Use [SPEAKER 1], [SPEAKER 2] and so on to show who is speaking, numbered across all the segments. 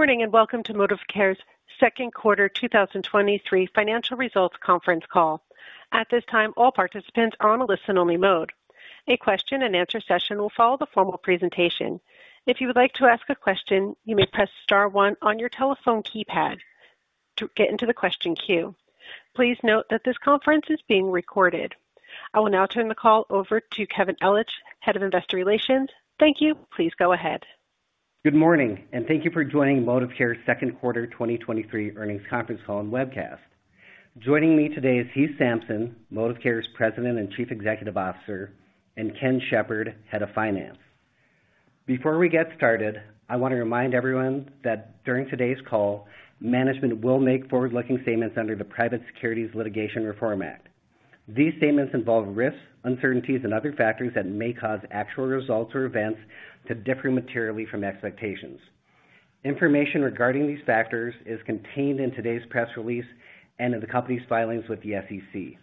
[SPEAKER 1] Good morning, and welcome to ModivCare's Q2 2023 financial results conference call. At this time, all participants are in listen-only mode. A question-and-answer session will follow the formal presentation. If you would like to ask a question, you may press star one on your telephone keypad to get into the question queue. Please note that this conference is being recorded. I will now turn the call over to Kevin Ellich, Head of Investor Relations. Thank you. Please go ahead.
[SPEAKER 2] Good morning, and thank you for joining ModivCare's Q2 2023 earnings conference call and webcast. Joining me today is Heath Sampson, ModivCare's President and Chief Executive Officer, and Ken Shepard, Head of Finance. Before we get started, I want to remind everyone that during today's call, management will make forward-looking statements under the Private Securities Litigation Reform Act. These statements involve risks, uncertainties, and other factors that may cause actual results or events to differ materially from expectations. Information regarding these factors is contained in today's press release and in the company's filings with the SEC.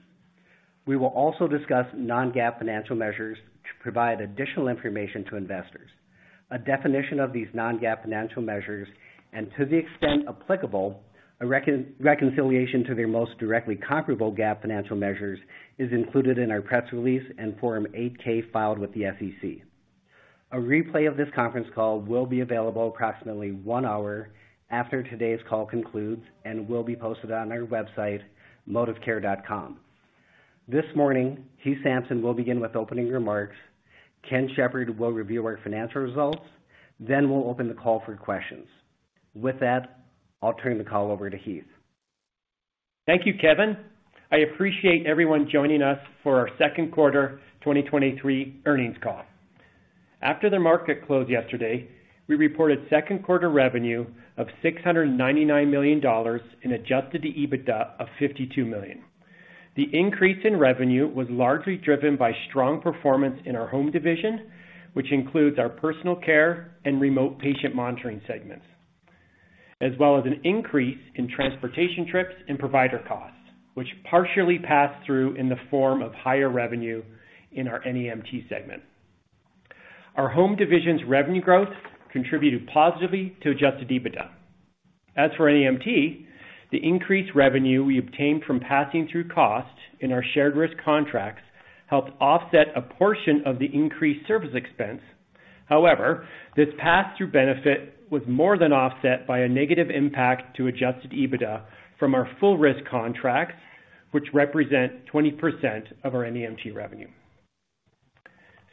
[SPEAKER 2] We will also discuss non-GAAP financial measures to provide additional information to investors. A definition of these non-GAAP financial measures and, to the extent applicable, a reconciliation to their most directly comparable GAAP financial measures, is included in our press release and Form 8-K filed with the SEC. A replay of this conference call will be available approximately one hour after today's call concludes and will be posted on our website, modivcare.com. This morning, Heath Sampson will begin with opening remarks. Ken Shepard will review our financial results. We'll open the call for questions. With that, I'll turn the call over to Heath.
[SPEAKER 3] Thank you, Kevin. I appreciate everyone joining us for our Q2 2023 earnings call. After the market closed yesterday, we reported Q2 revenue of $699 million and adjusted the EBITDA of $52 million. The increase in revenue was largely driven by strong performance in our home division, which includes our Personal Care and Remote Patient Monitoring segments, as well as an increase in transportation trips and provider costs, which partially passed through in the form of higher revenue in our NEMT segment. As for NEMT, the increased revenue we obtained from passing through costs in our shared-risk contracts helped offset a portion of the increased service expense. This pass-through benefit was more than offset by a negative impact to adjusted EBITDA from our full-risk contracts, which represent 20% of our NEMT revenue.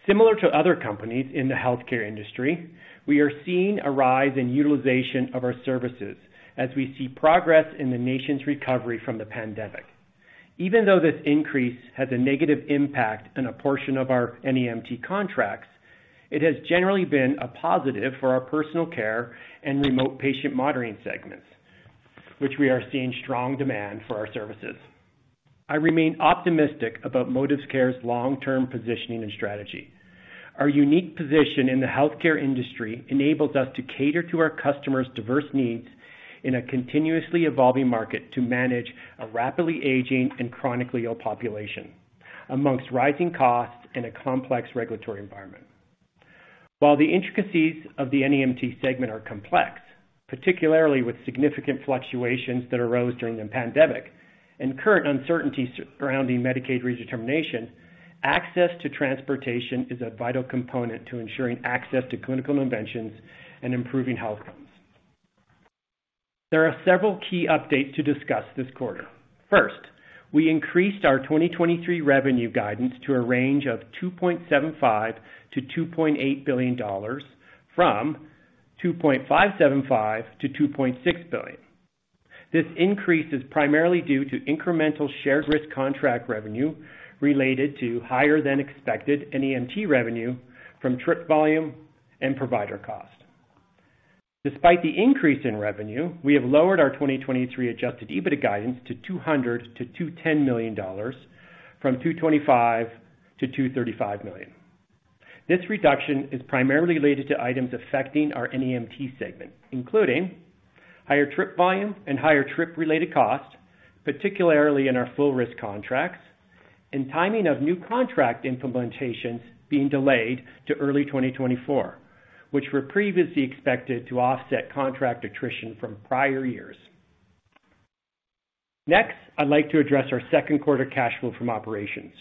[SPEAKER 3] Similar to other companies in the healthcare industry, we are seeing a rise in utilization of our services as we see progress in the nation's recovery from the pandemic. Even though this increase has a negative impact on a portion of our NEMT contracts, it has generally been a positive for our Personal Care and Remote Patient Monitoring segments, which we are seeing strong demand for our services. I remain optimistic about ModivCare's long-term positioning and strategy. Our unique position in the healthcare industry enables us to cater to our customers' diverse needs in a continuously evolving market to manage a rapidly aging and chronically ill population amongst rising costs and a complex regulatory environment. While the intricacies of the NEMT segment are complex, particularly with significant fluctuations that arose during the pandemic and current uncertainties surrounding Medicaid redetermination, access to transportation is a vital component to ensuring access to clinical interventions and improving health outcomes. There are several key updates to discuss this quarter. First, we increased our 2023 revenue guidance to a range of $2.75 billion-$2.8 billion from $2.575 billion-$2.6 billion. This increase is primarily due to incremental shared-risk contract revenue related to higher-than-expected NEMT revenue from trip volume and provider cost. Despite the increase in revenue, we have lowered our 2023 Adjusted EBITDA guidance to $200 million-$210 million from $225 million-$235 million. This reduction is primarily related to items affecting our NEMT segment, including higher trip volume and higher trip-related costs, particularly in our full-risk contracts and timing of new contract implementations being delayed to early 2024, which were previously expected to offset contract attrition from prior years. Next, I'd like to address our second-quarter cash flow from operations,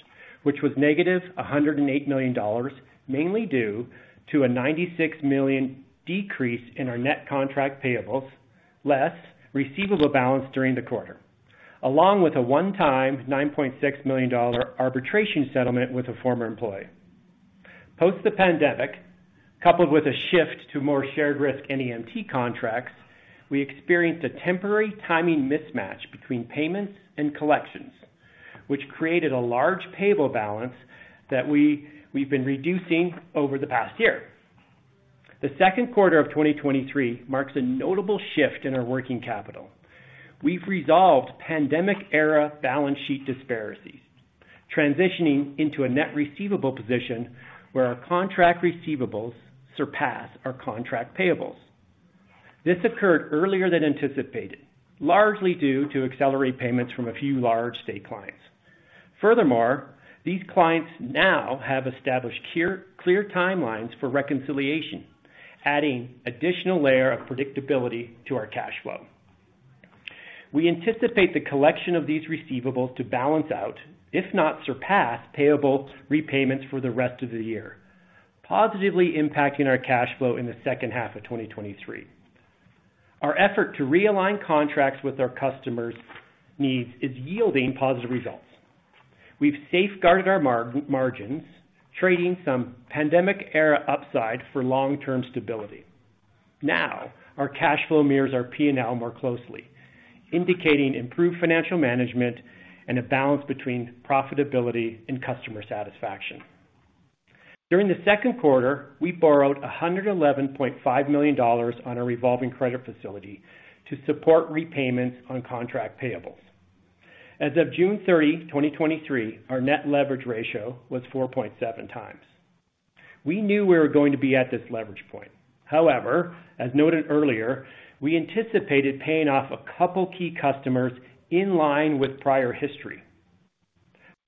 [SPEAKER 3] which was negative $108 million, mainly due to a $96 million decrease in our net contract payables, less receivable balance during the quarter, along with a one-time $9.6 million arbitration settlement with a former employee. Post-pandemic, coupled with a shift to more shared-risk NEMT contracts, we experienced a temporary timing mismatch between payments and collections, which created a large payable balance that we've been reducing over the past year. The Q2 of 2023 marks a notable shift in our working capital. We've resolved pandemic-era balance sheet disparities, transitioning into a net receivable position where our contract receivables surpass our contract payables. This occurred earlier than anticipated, largely due to accelerated payments from a few large state clients. Furthermore, these clients now have established clear, clear timelines for reconciliation, adding additional layer of predictability to our cash flow. We anticipate the collection of these receivables to balance out, if not surpass, payable repayments for the rest of the year, positively impacting our cash flow in the second half of 2023. Our effort to realign contracts with our customers' needs is yielding positive results. We've safeguarded our margins, trading some pandemic-era upside for long-term stability. Our cash flow mirrors our P&L more closely, indicating improved financial management and a balance between profitability and customer satisfaction. During the Q2, we borrowed $111.5 million on our revolving credit facility to support repayments on contract payables. As of June 30, 2023, our net leverage ratio was 4.7x. We knew we were going to be at this leverage point. However, as noted earlier, we anticipated paying off a couple key customers in line with prior history.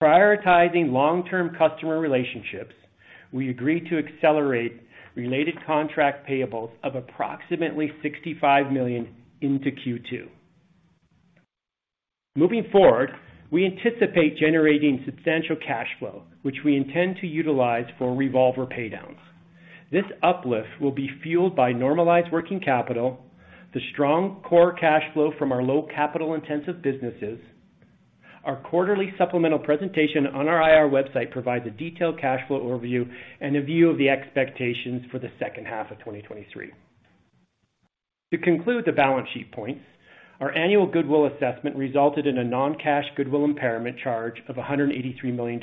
[SPEAKER 3] Prioritizing long-term customer relationships, we agreed to accelerate related contract payables of approximately $65 million into Q2. Moving forward, we anticipate generating substantial cash flow, which we intend to utilize for revolver paydowns. This uplift will be fueled by normalized working capital, the strong core cash flow from our low capital-intensive businesses. Our quarterly supplemental presentation on our IR website provides a detailed cash flow overview and a view of the expectations for the second half of 2023. To conclude the balance sheet points, our annual goodwill assessment resulted in a non-cash goodwill impairment charge of $183 million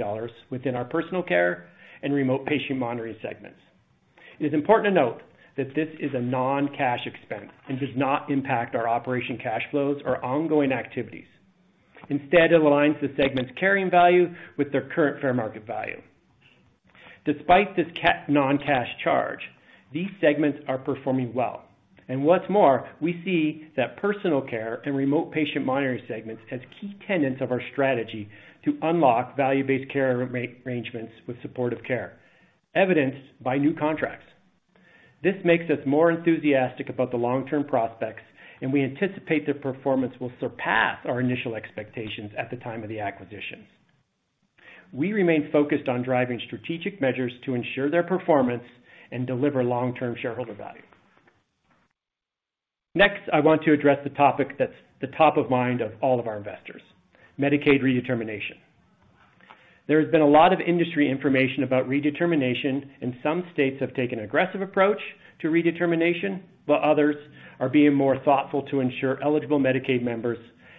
[SPEAKER 3] within our Personal Care and Remote Patient Monitoring segments. It is important to note that this is a non-cash expense and does not impact our operation cash flows or ongoing activities. Instead, it aligns the segment's carrying value with their current fair market value. Despite this non-cash charge, these segments are performing well, and what's more, we see that Personal Care and Remote Patient Monitoring segments as key tenants of our strategy to unlock value-based care arrangements with supportive care, evidenced by new contracts. This makes us more enthusiastic about the long-term prospects, and we anticipate their performance will surpass our initial expectations at the time of the acquisitions. We remain focused on driving strategic measures to ensure their performance and deliver long-term shareholder value. Next, I want to address the topic that's the top of mind of all of our investors, Medicaid redetermination. There has been a lot of industry information about redetermination, and some states have taken an aggressive approach to redetermination, while others are being more thoughtful to ensure eligible Medicaid members'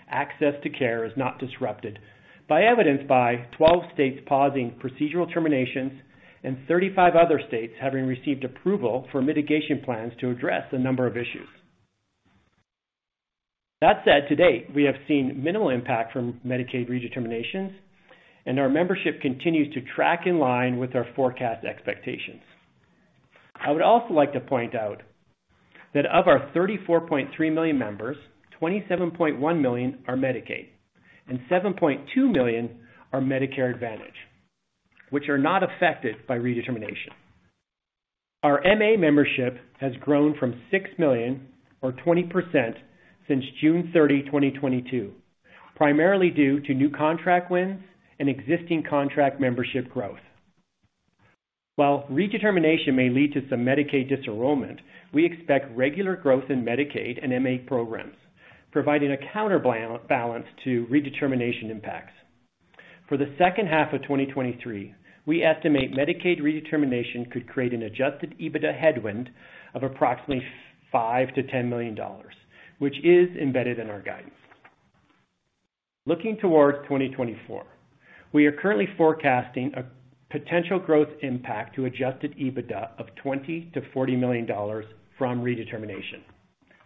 [SPEAKER 3] access to care is not disrupted by evidenced by 12 states pausing procedural terminations and 35 other states having received approval for mitigation plans to address a number of issues. That said, to date, we have seen minimal impact from Medicaid redeterminations, and our membership continues to track in line with our forecast expectations. I would also like to point out that of our 34.3 million members, 27.1 million are Medicaid, and 7.2 million are Medicare Advantage, which are not affected by redetermination. Our MA membership has grown from 6 million, or 20%, since June 30, 2022, primarily due to new contract wins and existing contract membership growth. While redetermination may lead to some Medicaid disenrollment, we expect regular growth in Medicaid and MA programs, providing a counter balance to redetermination impacts. For the second half of 2023, we estimate Medicaid redetermination could create an adjusted EBITDA headwind of approximately $5 million-$10 million, which is embedded in our guidance. Looking towards 2024, we are currently forecasting a potential growth impact to adjusted EBITDA of $20 million-$40 million from redetermination.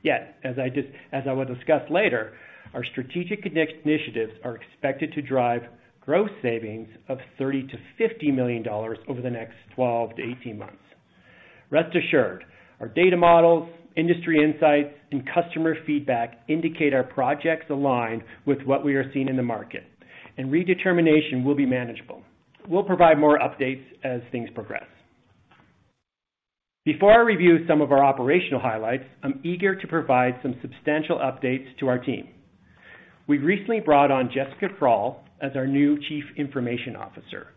[SPEAKER 3] Yet, as I will discuss later, our strategic initiatives are expected to drive gross savings of $30 million-$50 million over the next 12 to 18 months. Rest assured, our data models, industry insights, and customer feedback indicate our projects align with what we are seeing in the market, and redetermination will be manageable. We'll provide more updates as things progress. Before I review some of our operational highlights, I'm eager to provide some substantial updates to our team. We recently brought on Jessica Frall as our new Chief Information Officer.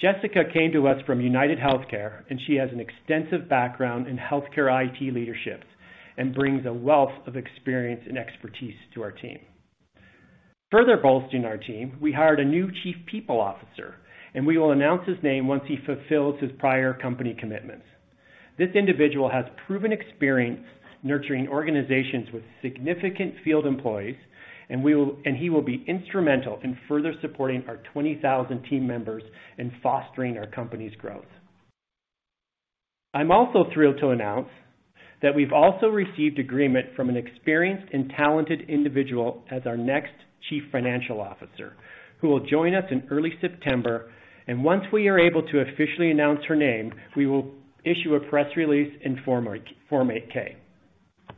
[SPEAKER 3] Jessica came to us from UnitedHealthcare, and she has an extensive background in healthcare IT leadership and brings a wealth of experience and expertise to our team. Further bolstering our team, we hired a new Chief People Officer, and we will announce his name once he fulfills his prior company commitments. This individual has proven experience nurturing organizations with significant field employees, and he will be instrumental in further supporting our 20,000 team members in fostering our company's growth. I'm also thrilled to announce that we've also received agreement from an experienced and talented individual as our next Chief Financial Officer, who will join us in early September. Once we are able to officially announce her name, we will issue a press release in Form 8-K.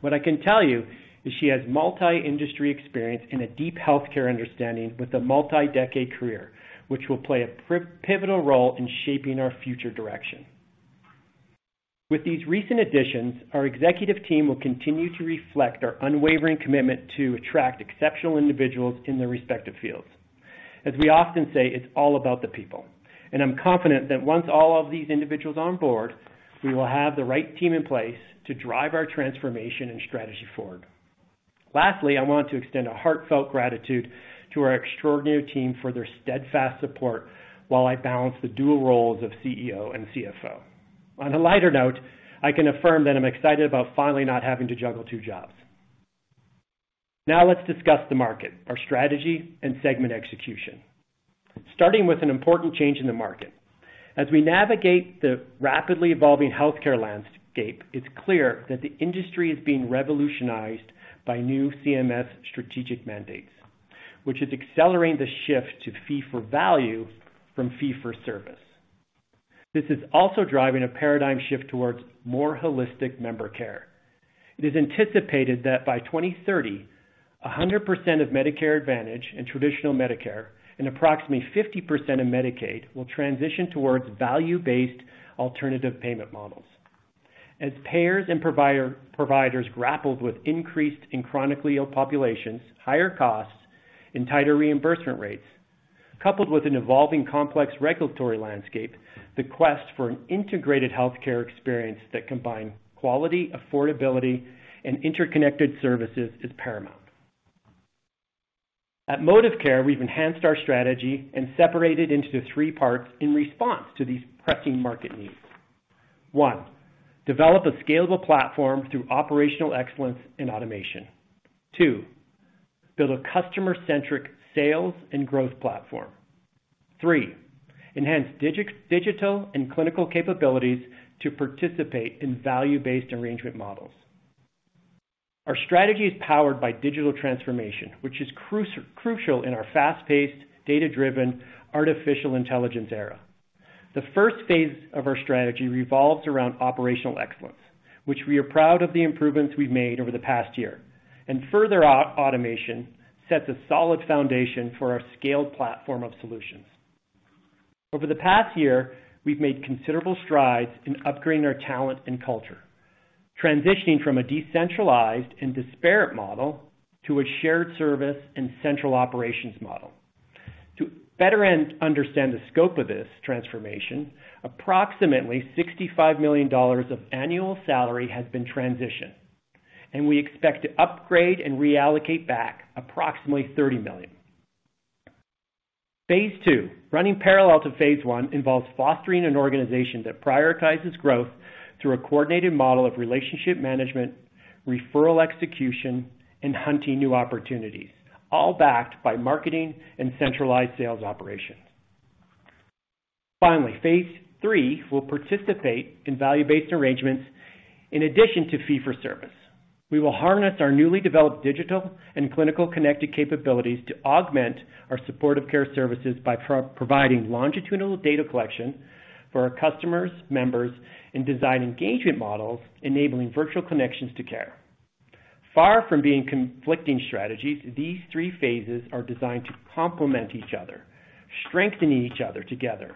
[SPEAKER 3] What I can tell you is she has multi-industry experience and a deep healthcare understanding with a multi-decade career, which will play a pivotal role in shaping our future direction. With these recent additions, our executive team will continue to reflect our unwavering commitment to attract exceptional individuals in their respective fields. As we often say, it's all about the people, and I'm confident that once all of these individuals are on board, we will have the right team in place to drive our transformation and strategy forward. Lastly, I want to extend a heartfelt gratitude to our extraordinary team for their steadfast support while I balance the dual roles of CEO and CFO. On a lighter note, I can affirm that I'm excited about finally not having to juggle two jobs. Let's discuss the market, our strategy, and segment execution. Starting with an important change in the market. As we navigate the rapidly evolving healthcare landscape, it's clear that the industry is being revolutionized by new CMS strategic mandates, which is accelerating the shift to fee-for-value from fee-for-service. This is also driving a paradigm shift towards more holistic member care. It is anticipated that by 2030, 100% of Medicare Advantage and traditional Medicare, and approximately 50% of Medicaid, will transition towards value-based alternative payment models. As payers and providers grappled with increased and chronically ill populations, higher costs, and tighter reimbursement rates, coupled with an evolving, complex regulatory landscape, the quest for an integrated healthcare experience that combine quality, affordability, and interconnected services is paramount. At ModivCare, we've enhanced our strategy and separated into three parts in response to these pressing market needs. One, develop a scalable platform through operational excellence and automation. Two, build a customer-centric sales and growth platform. Three, enhance digital and clinical capabilities to participate in value-based arrangement models. Our strategy is powered by digital transformation, which is crucial in our fast-paced, data-driven, artificial intelligence era. The first Phase of our strategy revolves around operational excellence, which we are proud of the improvements we've made over the past year. Further automation sets a solid foundation for our scaled platform of solutions. Over the past year, we've made considerable strides in upgrading our talent and culture, transitioning from a decentralized and disparate model to a shared service and central operations model. To better understand the scope of this transformation, approximately $65 million of annual salary has been transitioned. We expect to upgrade and reallocate back approximately $30 million. Phase two, running parallel to Phase one, involves fostering an organization that prioritizes growth through a coordinated model of relationship management, referral execution, and hunting new opportunities, all backed by marketing and centralized sales operations. Finally, Phase three will participate in value-based arrangements in addition to fee-for-service. We will harness our newly developed digital and clinical connected capabilities to augment our supportive care services by providing longitudinal data collection for our customers, members, and design engagement models, enabling virtual connections to care. Far from being conflicting strategies, these three Phases are designed to complement each other, strengthening each other together.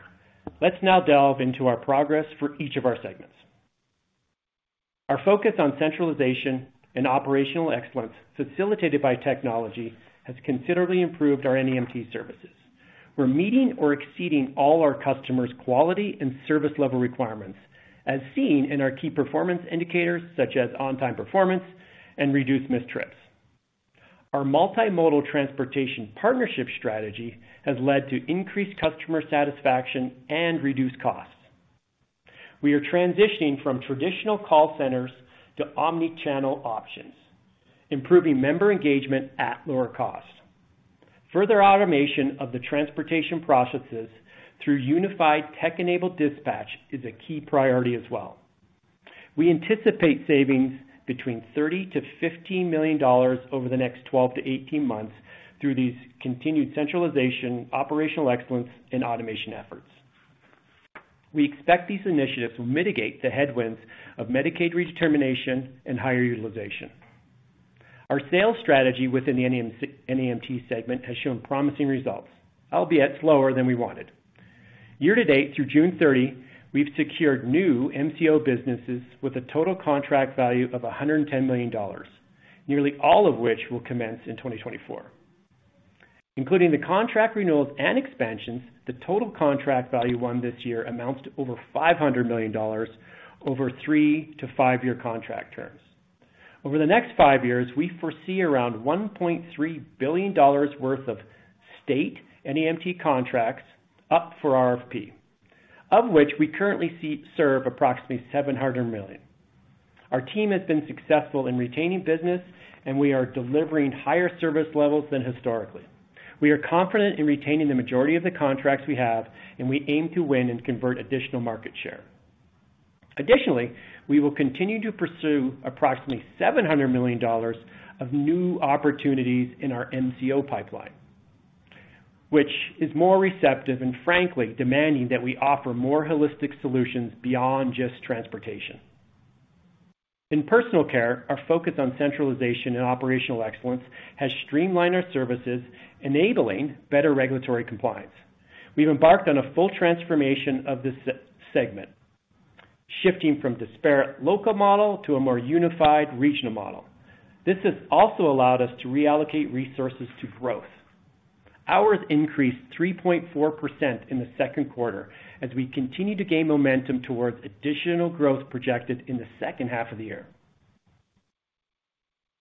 [SPEAKER 3] Let's now delve into our progress for each of our segments. Our focus on centralization and operational excellence, facilitated by technology, has considerably improved our NEMT services. We're meeting or exceeding all our customers' quality and service level requirements, as seen in our key performance indicators, such as on-time performance and reduced missed trips. Our multimodal transportation partnership strategy has led to increased customer satisfaction and reduced costs. We are transitioning from traditional call centers to omni-channel options, improving member engagement at lower cost. Further automation of the transportation processes through unified tech-enabled dispatch is a key priority as well. We anticipate savings between $30 million-$15 million over the next 12 to 18 months through these continued centralization, operational excellence, and automation efforts. We expect these initiatives will mitigate the headwinds of Medicaid redetermination and higher utilization. Our sales strategy within the NEMT segment has shown promising results, albeit slower than we wanted. Year to date, through June 30, we've secured new MCO businesses with a total contract value of $110 million, nearly all of which will commence in 2024. Including the contract renewals and expansions, the total contract value won this year amounts to over $500 million over 3 to 5-year contract terms. Over the next five years, we foresee around $1.3 billion worth of state NEMT contracts up for RFP, of which we currently serve approximately $700 million. Our team has been successful in retaining business, and we are delivering higher service levels than historically. We are confident in retaining the majority of the contracts we have, and we aim to win and convert additional market share. Additionally, we will continue to pursue approximately $700 million of new opportunities in our MCO pipeline, which is more receptive and frankly, demanding that we offer more holistic solutions beyond just transportation. In Personal Care, our focus on centralization and operational excellence has streamlined our services, enabling better regulatory compliance. We've embarked on a full transformation of this segment, shifting from disparate local model to a more unified regional model. This has also allowed us to reallocate resources to growth. Hours increased 3.4% in Q2 as we continue to gain momentum towards additional growth projected in the second half of the year.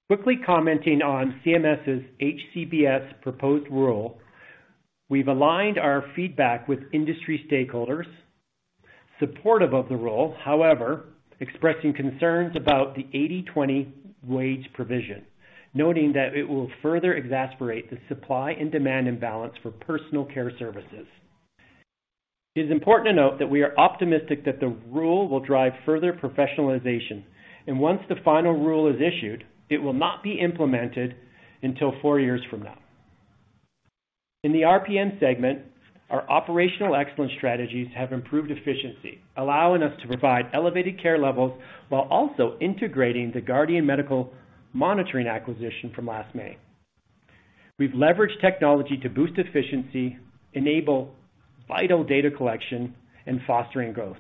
[SPEAKER 3] Quickly commenting on CMS's HCBS proposed rule, we've aligned our feedback with industry stakeholders, supportive of the rule, however, expressing concerns about the 80/20 wage provision, noting that it will further exacerbate the supply and demand imbalance for Personal Care services. It is important to note that we are optimistic that the rule will drive further professionalization, and once the final rule is issued, it will not be implemented until 4 years from now. In the RPM segment, our operational excellence strategies have improved efficiency, allowing us to provide elevated care levels while also integrating the Guardian Medical Monitoring acquisition from last May. We've leveraged technology to boost efficiency, enable vital data collection, and fostering growth.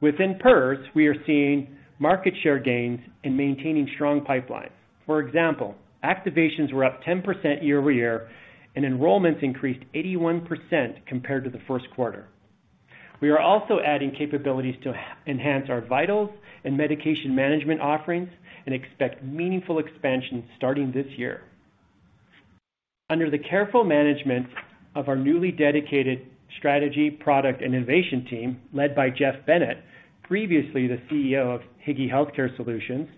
[SPEAKER 3] Within PERS, we are seeing market share gains in maintaining strong pipelines. For example, activations were up 10% year-over-year. Enrollments increased 81% compared to the Q1. We are also adding capabilities to enhance our vitals and medication management offerings and expect meaningful expansion starting this year. Under the careful management of our newly dedicated strategy, product, and innovation team, led by Jeff Bennett, previously the CEO of Higi Healthcare Solutions,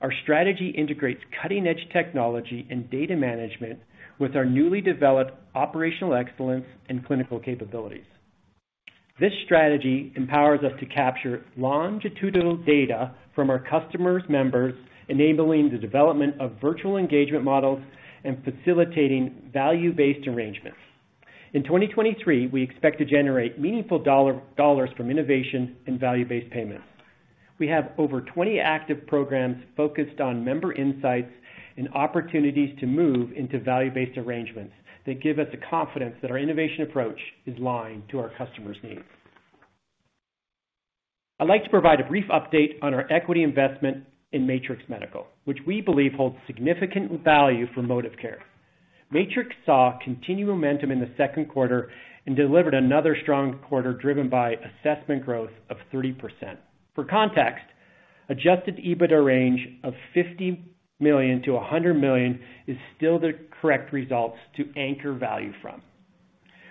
[SPEAKER 3] our strategy integrates cutting-edge technology and data management with our newly developed operational excellence and clinical capabilities. This strategy empowers us to capture longitudinal data from our customers' members, enabling the development of virtual engagement models and facilitating value-based arrangements. In 2023, we expect to generate meaningful dollars from innovation and value-based payments. We have over 20 active programs focused on member insights and opportunities to move into value-based arrangements that give us the confidence that our innovation approach is aligned to our customers' needs. I'd like to provide a brief update on our equity investment in Matrix Medical, which we believe holds significant value for ModivCare. Matrix saw continued momentum in Q2 and delivered another strong quarter, driven by assessment growth of 30%. For context, adjusted EBITDA range of $50 million-$100 million is still the correct results to anchor value from.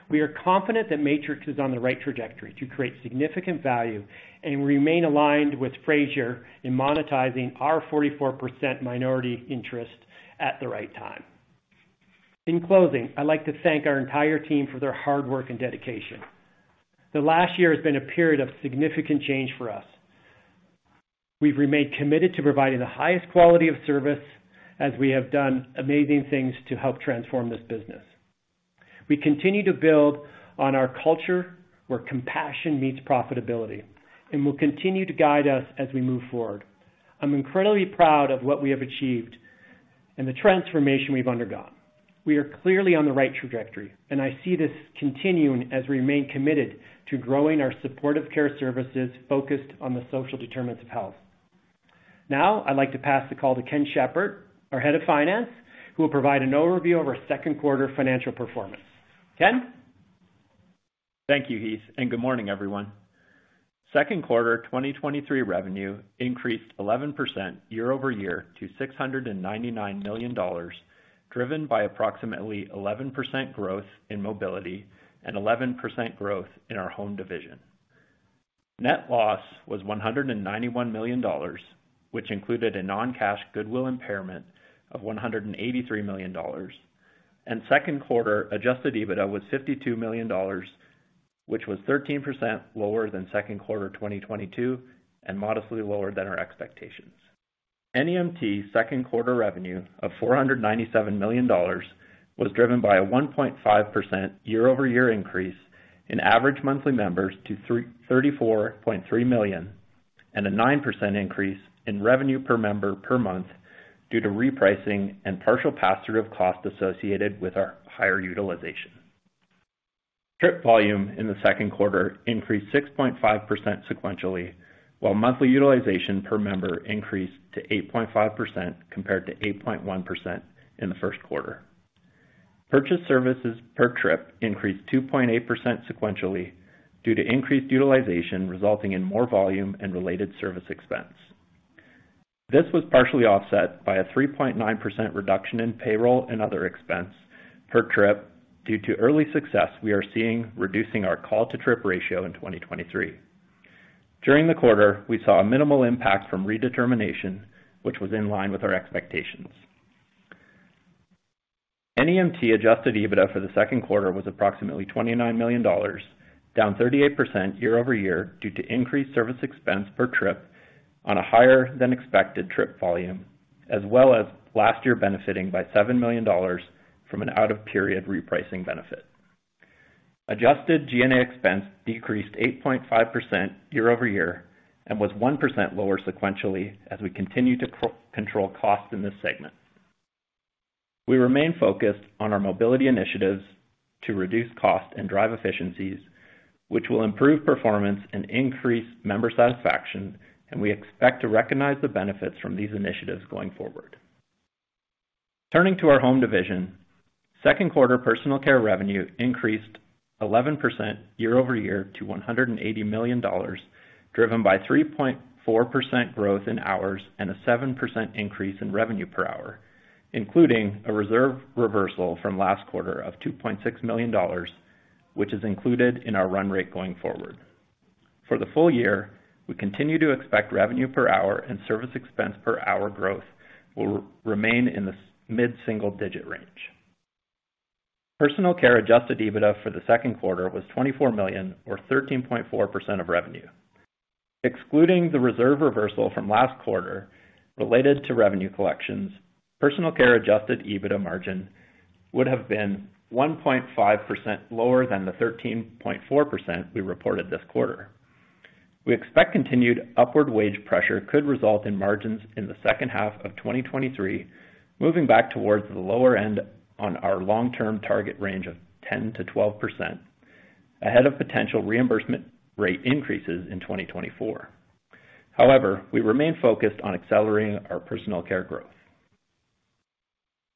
[SPEAKER 3] We are confident that Matrix is on the right trajectory to create significant value and remain aligned with Frazier in monetizing our 44% minority interest at the right time. In closing, I'd like to thank our entire team for their hard work and dedication. The last year has been a period of significant change for us. We've remained committed to providing the highest quality of service as we have done amazing things to help transform this business. We continue to build on our culture, where compassion meets profitability, and will continue to guide us as we move forward. I'm incredibly proud of what we have achieved and the transformation we've undergone. We are clearly on the right trajectory, and I see this continuing as we remain committed to growing our supportive care services focused on the social determinants of health. I'd like to pass the call to Ken Shepard, our Head of Finance, who will provide an overview of our Q2 financial performance. Ken?
[SPEAKER 4] Thank you, Heath, good morning, everyone. Q2 2023 revenue increased 11% year-over-year to $699 million, driven by approximately 11% growth in mobility and 11% growth in our home division. Net loss was $191 million, which included a non-cash goodwill impairment of $183 million, and Q2 adjusted EBITDA was $52 million, which was 13% lower than Q2 2022, and modestly lower than our expectations. NEMT Q2 revenue of $497 million was driven by a 1.5% year-over-year increase in average monthly members to 34.3 million, and a 9% increase in revenue per member per month due to repricing and partial pass-through of cost associated with our higher utilization. Trip volume in Q2 increased 6.5% sequentially, while monthly utilization per member increased to 8.5%, compared to 8.1% in Q1. Purchase services per trip increased 2.8% sequentially due to increased utilization, resulting in more volume and related service expense. This was partially offset by a 3.9% reduction in payroll and other expense per trip due to early success we are seeing reducing our call-to-trip ratio in 2023. During the quarter, we saw a minimal impact from redetermination, which was in line with our expectations. NEMT adjusted EBITDA for the Q2 was approximately $29 million, down 38% year-over-year due to increased service expense per trip on a higher-than-expected trip volume. as well as last year benefiting by $7 million from an out-of-period repricing benefit. Adjusted GNA expense decreased 8.5% year-over-year. Was 1% lower sequentially as we continue to control costs in this segment. We remain focused on our mobility initiatives to reduce costs and drive efficiencies, which will improve performance and increase member satisfaction. We expect to recognize the benefits from these initiatives going forward. Turning to our home division, Q2 Personal Care revenue increased 11% year-over-year to $180 million, driven by 3.4% growth in hours and a 7% increase in revenue per hour, including a reserve reversal from last quarter of $2.6 million, which is included in our run rate going forward. For the full year, we continue to expect revenue per hour and service expense per hour growth will remain in the mid-single-digit range. Personal Care Adjusted EBITDA for the Q2 was $24 million, or 13.4% of revenue. Excluding the reserve reversal from last quarter related to revenue collections, Personal Care Adjusted EBITDA margin would have been 1.5% lower than the 13.4% we reported this quarter. We expect continued upward wage pressure could result in margins in the second half of 2023, moving back towards the lower end on our long-term target range of 10%-12%, ahead of potential reimbursement rate increases in 2024. However, we remain focused on accelerating our Personal Care growth.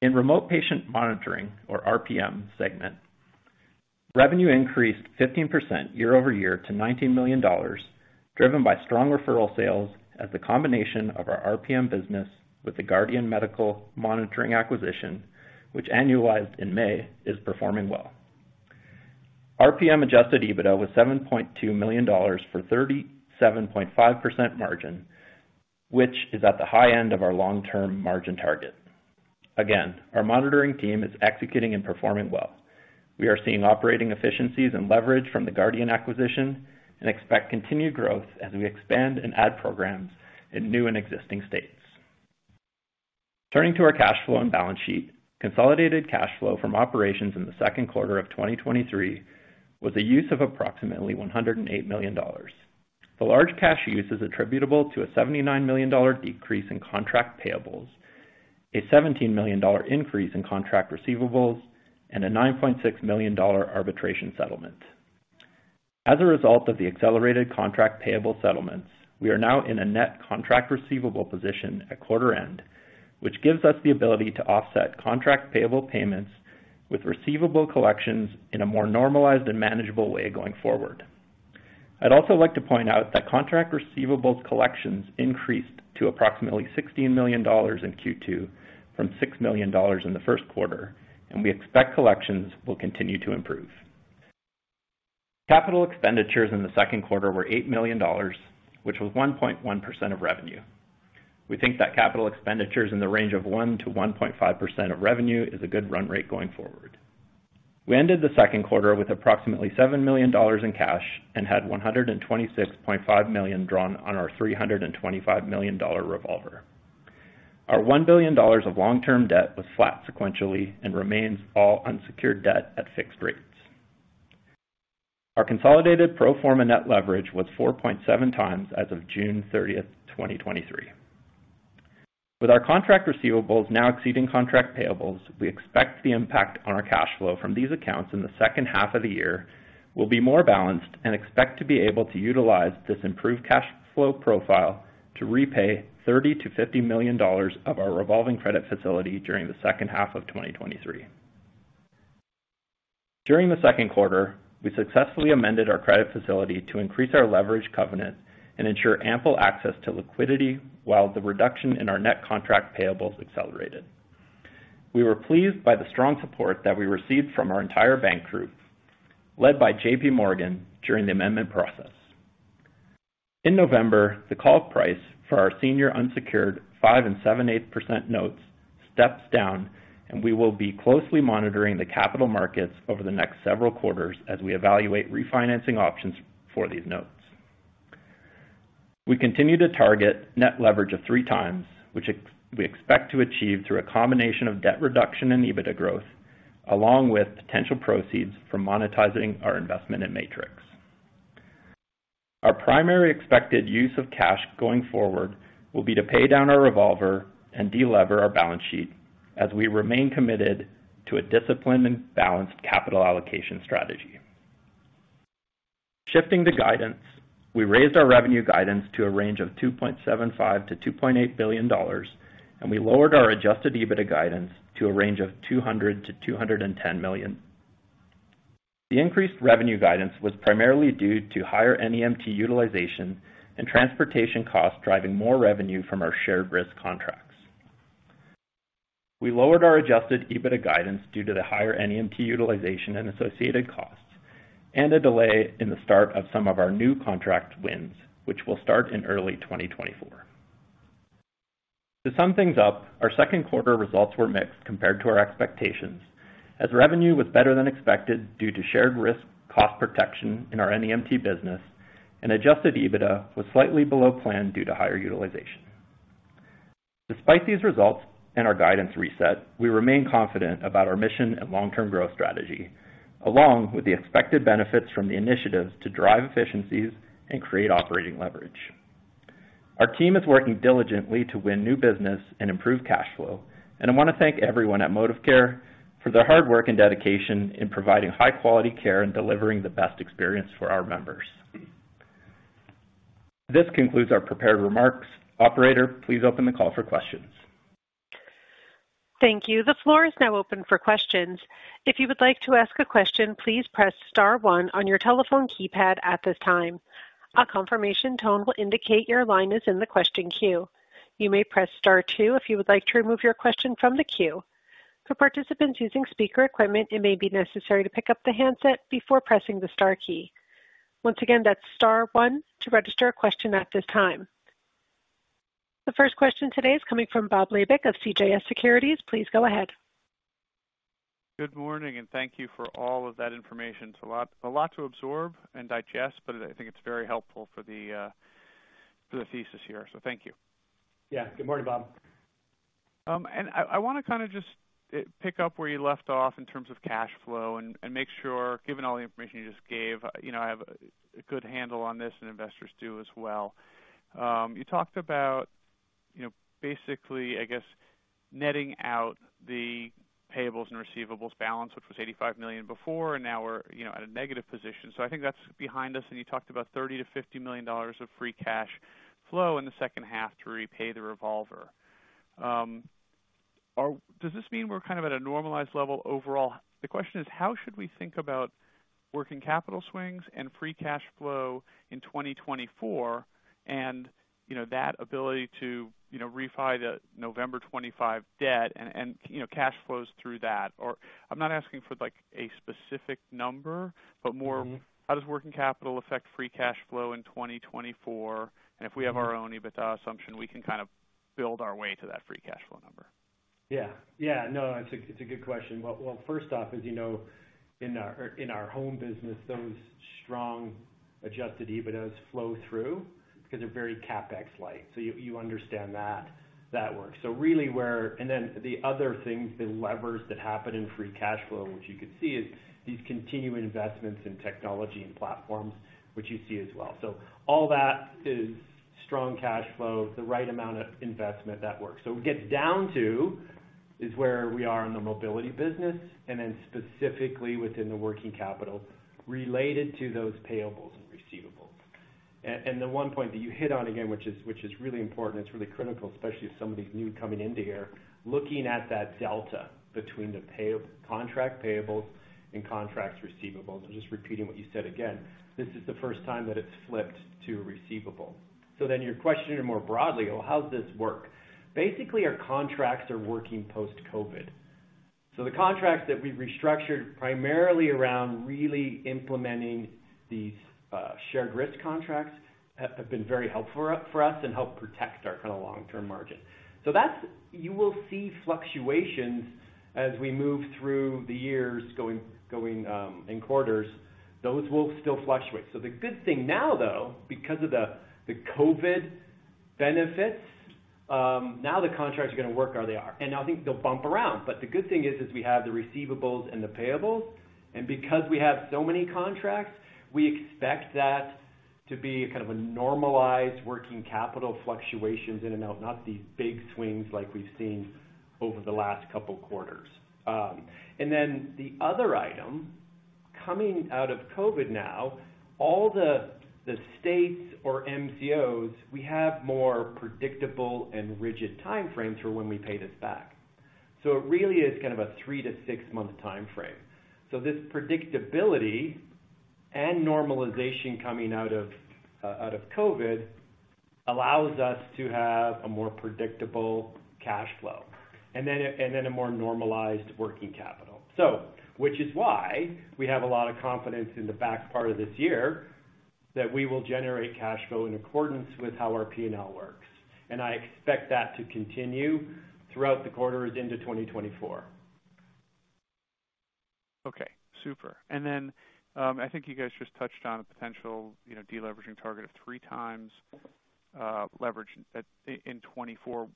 [SPEAKER 4] In Remote Patient Monitoring, or RPM segment, revenue increased 15% year-over-year to $19 million, driven by strong referral sales as a combination of our RPM business with the Guardian Medical Monitoring acquisition, which annualized in May, is performing well. RPM adjusted EBITDA was $7.2 million for 37.5% margin, which is at the high end of our long-term margin target. Again, our monitoring team is executing and performing well. We are seeing operating efficiencies and leverage from the Guardian acquisition and expect continued growth as we expand and add programs in new and existing states. Turning to our cash flow and balance sheet, consolidated cash flow from operations in Q2 of 2023 was a use of approximately negative $108 million. The large cash use is attributable to a $79 million decrease in contract payables, a $17 million increase in contract receivables, and a $9.6 million arbitration settlement. As a result of the accelerated contract payable settlements, we are now in a net contract receivable position at quarter end, which gives us the ability to offset contract payable payments with receivable collections in a more normalized and manageable way going forward. Contract receivables collections increased to approximately $16 million in Q2 from $6 million in Q1, and we expect collections will continue to improve. Capital expenditures in Q2 were $8 million, which was 1.1% of revenue. We think that capital expenditures in the range of 1%-1.5% of revenue is a good run rate going forward. We ended the Q2 with approximately $7 million in cash and had $126.5 million drawn on our $325 million revolver. Our $1 billion of long-term debt was flat sequentially and remains all unsecured debt at fixed rates. Our consolidated pro forma net leverage was 4.7 times as of June 30th, 2023. With our contract receivables now exceeding contract payables, we expect the impact on our cash flow from these accounts in the second half of the year will be more balanced and expect to be able to utilize this improved cash flow profile to repay $30 million-$50 million of our revolving credit facility during the second half of 2023. During the Q2, we successfully amended our credit facility to increase our leverage covenant and ensure ample access to liquidity, while the reduction in our net contract payables accelerated. We were pleased by the strong support that we received from our entire bank group, led by JP Morgan during the amendment process. In November, the call price for our senior unsecured 5 and 7/8% notes steps down. We will be closely monitoring the capital markets over the next several quarters as we evaluate refinancing options for these notes. We continue to target net leverage of 3x, which we expect to achieve through a combination of debt reduction and EBITDA growth, along with potential proceeds from monetizing our investment in Matrix. Our primary expected use of cash going forward will be to pay down our revolver and de-lever our balance sheet as we remain committed to a disciplined and balanced capital allocation strategy. Shifting to guidance, we raised our revenue guidance to a range of $2.75 billion-$2.8 billion. We lowered our adjusted EBITDA guidance to a range of $200 million-$210 million. The increased revenue guidance was primarily due to higher NEMT utilization and transportation costs, driving more revenue from our shared-risk contracts. We lowered our adjusted EBITDA guidance due to the higher NEMT utilization and associated costs, and a delay in the start of some of our new contract wins, which will start in early 2024. To sum things up, our Q2 results were mixed compared to our expectations. as revenue was better than expected due to shared-risk cost protection in our NEMT business, and adjusted EBITDA was slightly below plan due to higher utilization. Despite these results and our guidance reset, we remain confident about our mission and long-term growth strategy, along with the expected benefits from the initiatives to drive efficiencies and create operating leverage. Our team is working diligently to win new business and improve cash flow, and I want to thank everyone at ModivCare for their hard work and dedication in providing high-quality care and delivering the best experience for our members. This concludes our prepared remarks. Operator, please open the call for questions.
[SPEAKER 1] Thank you. The floor is now open for questions. If you would like to ask a question, please press star one on your telephone keypad at this time. A confirmation tone will indicate your line is in the question queue. You may press star two if you would like to remove your question from the queue. For participants using speaker equipment, it may be necessary to pick up the handset before pressing the star key. Once again, that's star one to register a question at this time. The first question today is coming from Bob Labick of CJS Securities. Please go ahead.
[SPEAKER 5] Good morning, thank you for all of that information. It's a lot to absorb and digest, but I think it's very helpful for the, for the thesis here. Thank you.
[SPEAKER 3] Good morning, Bob.
[SPEAKER 5] I want just pick up where you left off in terms of cash flow and, and make sure, given all the information you just gave I have a, a good handle on this and investors do as well. You talked about basically, I guess, netting out the payables and receivables balance, which was $85 million before, and now we're at a negative position. I think that's behind us, and you talked about $30 million-$50 million of free cash flow in the second half to repay the revolver. Does this mean we're kind of at a normalized level overall? The question is: how should we think about working capital swings and free cash flow in 2024, and that ability to refi the November 25 debt and, and cash flows through that? I'm not asking for, like, a specific number, but more.
[SPEAKER 3] Mm-hmm.
[SPEAKER 5] How does working capital affect free cash flow in 2024? If we have our own EBITDA assumption, we can kind of build our way to that free cash flow number.
[SPEAKER 3] No, it's a good question. Well, well, first off, as in our, in our home business, those strong adjusted EBITDAs flow through because they're very CapEx light. You understand that, that works. Really, where Then the other thing, the levers that happen in free cash flow, which you can see, is these continuing investments in technology and platforms, which you see as well. All that is strong cash flow, the right amount of investment, that works. We get down to, is where we are in the mobility business, and then specifically within the working capital related to those payables and receivables. The one point that you hit on again, which is really important, it's really critical, especially if somebody's new coming into here, looking at that delta between the contract payables and contracts receivables. I'm just repeating what you said again, this is the first time that it's flipped to receivable. Your question more broadly, well, how does this work? Basically, our contracts are working post-COVID. The contracts that we've restructured, primarily around really implementing these shared-risk contracts, have been very helpful for us and helped protect our kind of long-term margin. That's You will see fluctuations as we move through the years going in quarters. Those will still fluctuate. The good thing now, though, because of the, the COVID benefits, now the contracts are gonna work where they are, and I think they'll bump around. The good thing is, is we have the receivables and the payables, and because we have so many contracts, we expect that to be kind of a normalized working capital fluctuations in and out, not these big swings like we've seen over the last couple of quarters. Then the other item, coming out of COVID now, all the, the states or MCOs, we have more predictable and rigid timeframes for when we pay this back. It really is kind of a 3-6 month timeframe. This predictability and normalization coming out of, out of COVID allows us to have a more predictable cash flow, and then a, and then a more normalized working capital. Which is why we have a lot of confidence in the back part of this year, that we will generate cash flow in accordance with how our P&L works. I expect that to continue throughout the quarters into 2024.
[SPEAKER 5] Okay, super. Then, I think you guys just touched on a potential deleveraging target of 3 times leverage in 2024.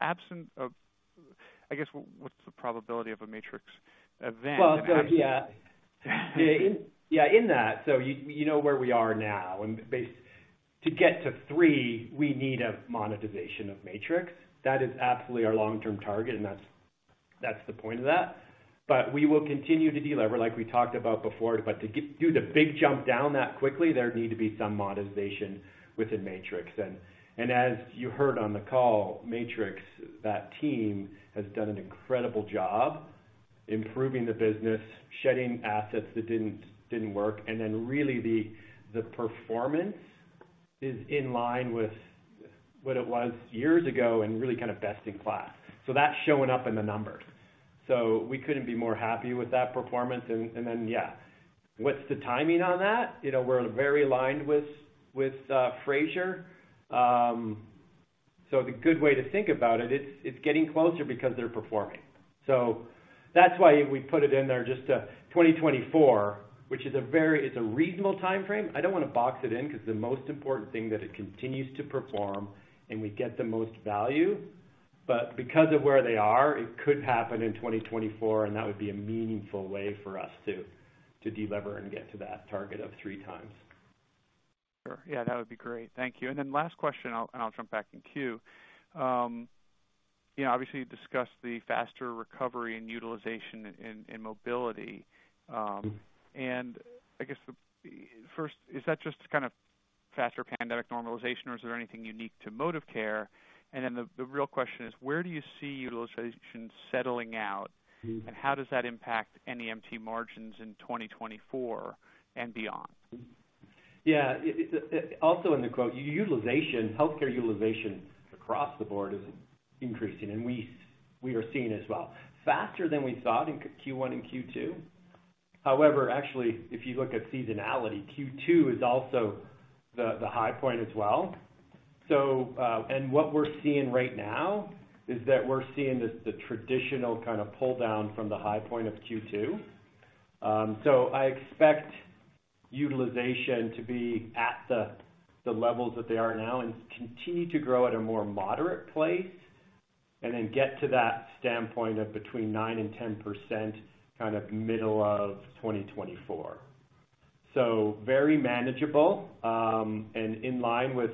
[SPEAKER 5] Absent of I guess, what's the probability of a Matrix event?
[SPEAKER 3] Well, so In that, so you where we are now, and to get to 3, we need a monetization of Matrix. That is absolutely our long-term target, and that's, that's the point of that. We will continue to delever, like we talked about before, but to do the big jump down that quickly, there need to be some monetization within Matrix. As you heard on the call, Matrix, that team, has done an incredible job improving the business, shedding assets that didn't, didn't work, and then really, the performance is in line with what it was years ago and really kind of best in class. That's showing up in the numbers. We couldn't be more happy with that performance. Then what's the timing on that? we're very aligned with, with Frazier. The good way to think about it, it's, it's getting closer because they're performing. That's why we put it in there, just 2024, which is a very, it's a reasonable time frame. I don't wanna box it in, 'cause the most important thing that it continues to perform and we get the most value. Because of where they are, it could happen in 2024, and that would be a meaningful way for us to, to delever and get to that target of 3 times.
[SPEAKER 5] Sure. that would be great. Thank you. Last question, and I'll jump back in queue. obviously, you discussed the faster recovery and utilization in mobility. I guess, the first, is that just kind of faster pandemic normalization, or is there anything unique to ModivCare? The real question is: where do you see utilization settling out, and how does that impact NEMT margins in 2024 and beyond?
[SPEAKER 3] It also in the quote, utilization, healthcare utilization across the board is increasing, we are seeing it as well. Faster than we thought in Q1 and Q2. However, actually, if you look at seasonality, Q2 is also the high point as well. What we're seeing right now is that we're seeing the traditional kind of pull down from the high point of Q2. I expect utilization to be at the levels that they are now, continue to grow at a more moderate place, and get to that standpoint of between 9%-10%, kind of middle of 2024. Very manageable, in line with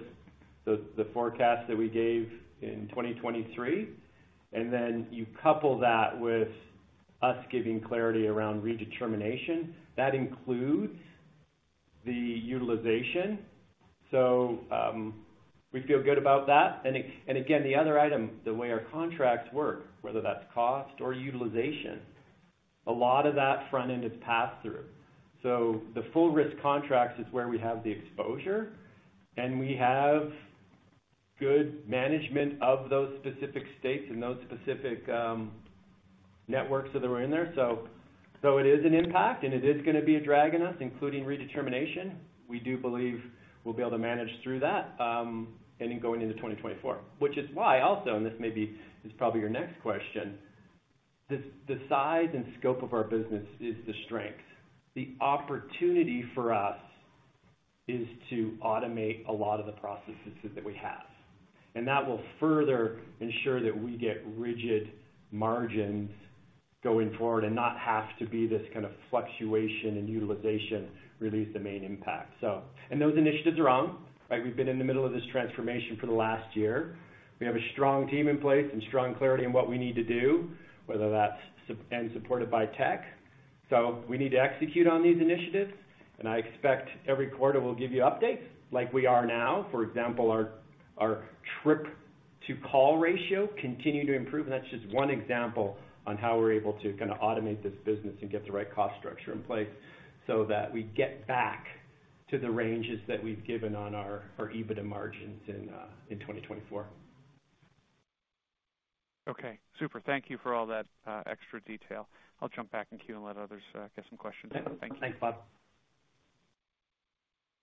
[SPEAKER 3] the forecast that we gave in 2023. You couple that with us giving clarity around redetermination, that includes the utilization. We feel good about that. And again, the other item, the way our contracts work, whether that's cost or utilization, a lot of that front end is passed through. The full-risk contracts is where we have the exposure, and we have good management of those specific states and those specific networks that are in there. It is an impact, and it is gonna be a drag on us, including redetermination. We do believe we'll be able to manage through that, and in going into 2024. Which is why also, and this may be, is probably your next question: the, the size and scope of our business is the strength. The opportunity for us is to automate a lot of the processes that we have, and that will further ensure that we get rigid margins going forward and not have to be this kind of fluctuation in utilization, really is the main impact. And those initiatives are on, right? We've been in the middle of this transformation for the last year. We have a strong team in place and strong clarity in what we need to do, whether that's and supported by tech. We need to execute on these initiatives, and I expect every quarter, we'll give you updates like we are now. For example, our trip to call ratio continue to improve, and that's just one example on how we're able to kinda automate this business and get the right cost structure in place so that we get back to the ranges that we've given on our EBITDA margins in 2024.
[SPEAKER 5] Okay, super. Thank you for all that extra detail. I'll jump back in queue and let others get some questions in. Thank you.
[SPEAKER 3] Thanks, Bob.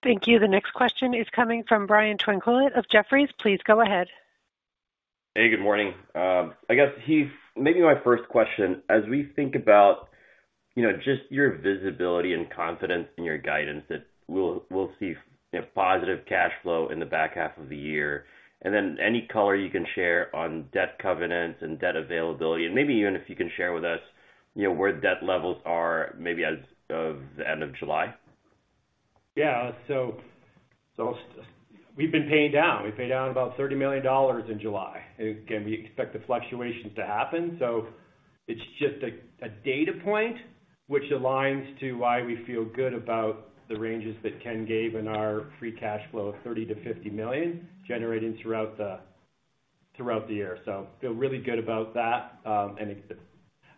[SPEAKER 1] Thank you. The next question is coming from Brian Tanquilut of Jefferies. Please go ahead.
[SPEAKER 6] Hey, good morning. I guess, Heath, maybe my first question: as we think about just your visibility and confidence in your guidance, that we'll, we'll see positive cash flow in the back half of the year. Then any color you can share on debt covenants and debt availability, and maybe even if you can share with us where debt levels are maybe as of the end of July?
[SPEAKER 3] So we've been paying down. We paid down about $30 million in July. Again, we expect the fluctuations to happen, so it's just a data point which aligns to why we feel good about the ranges that Ken gave in our free cash flow of $30 million-$50 million, generating throughout the year. Feel really good about that. And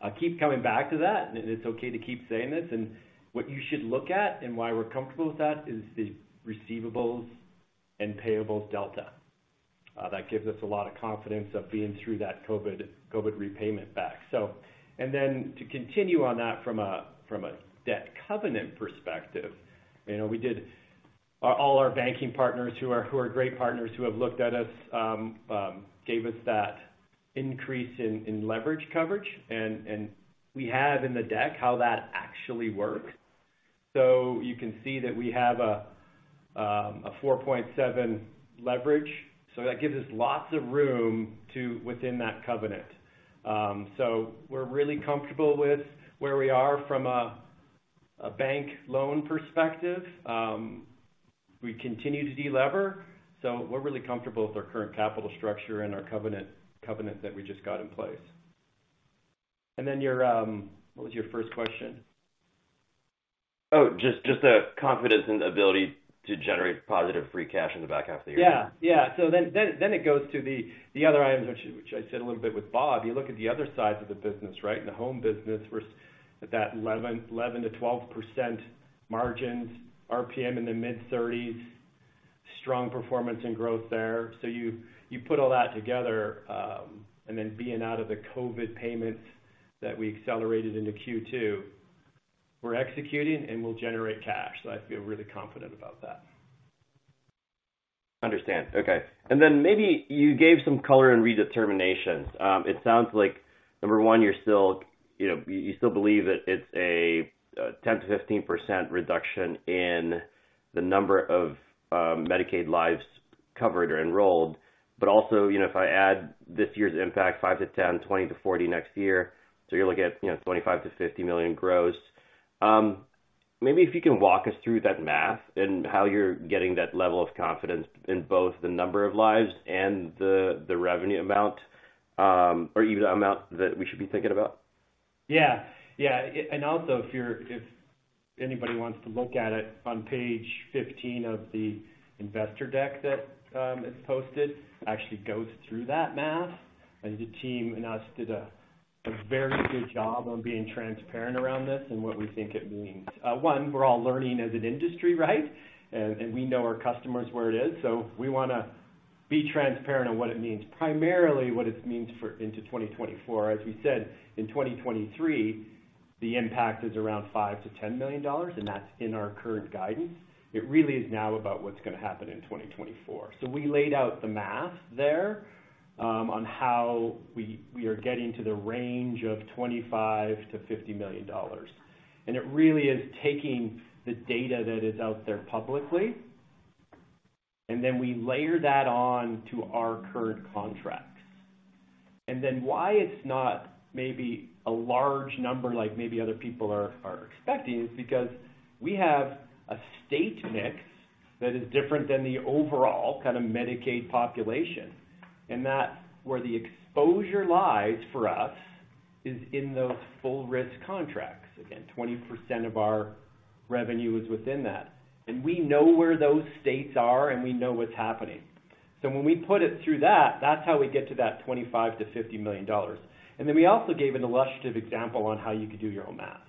[SPEAKER 3] I'll keep coming back to that, and it's okay to keep saying this. What you should look at and why we're comfortable with that, is the receivables and payables delta. That gives us a lot of confidence of being through that COVID repayment back. To continue on that from a, from a debt covenant perspective we did -- all our banking partners who are, who are great partners, who have looked at us, gave us that increase in, in leverage coverage, and, and we have in the deck how that actually works. You can see that we have a 4.7 leverage, so that gives us lots of room to within that covenant. We're really comfortable with where we are from a, a bank loan perspective. We continue to delever, so we're really comfortable with our current capital structure and our covenant, covenant that we just got in place. Your What was your first question?
[SPEAKER 6] Just the confidence and ability to generate positive free cash in the back half of the year.
[SPEAKER 3] Then, it goes to the, the other items, which, which I said a little bit with Bob. You look at the other sides of the business, right? The home business, we're at that 11%-12% margins, RPM in the mid-30s, strong performance and growth there. You, you put all that together, and then being out of the COVID payments that we accelerated into Q2. We're executing, and we'll generate cash. I feel really confident about that.
[SPEAKER 6] Understand. Okay. Maybe you gave some color on redeterminations. It sounds like, number one, you're still you still believe that it's a 10%-15% reduction in the number of Medicaid lives covered or enrolled. if I add this year's impact, $5 million-$10 million, $20 million-$40 million next year, so you're looking at $25 million-$50 million gross. Maybe if you can walk us through that math and how you're getting that level of confidence in both the number of lives and the, the revenue amount, or even the amount that we should be thinking about?
[SPEAKER 3] If anybody wants to look at it on page 15 of the investor deck that is posted, actually goes through that math. And the team and us did a very good job on being transparent around this and what we think it means. One, we're all learning as an industry, right? And we know our customers where it is, so we want to be transparent on what it means, primarily what it means for into 2024. As we said, in 2023, the impact is around $5 million-$10 million, and that's in our current guidance. It really is now about what's gonna happen in 2024. We laid out the math there on how we are getting to the range of $25 million-$50 million. It really is taking the data that is out there publicly, and then we layer that on to our current contracts. Then why it's not maybe a large number like maybe other people are, are expecting, is because we have a state mix that is different than the overall kind of Medicaid population, and that where the exposure lies for us is in those full-risk contracts. Again, 20% of our revenue is within that, and we know where those states are, and we know what's happening. When we put it through that, that's how we get to that $25 million-$50 million. We also gave an illustrative example on how you could do your own math.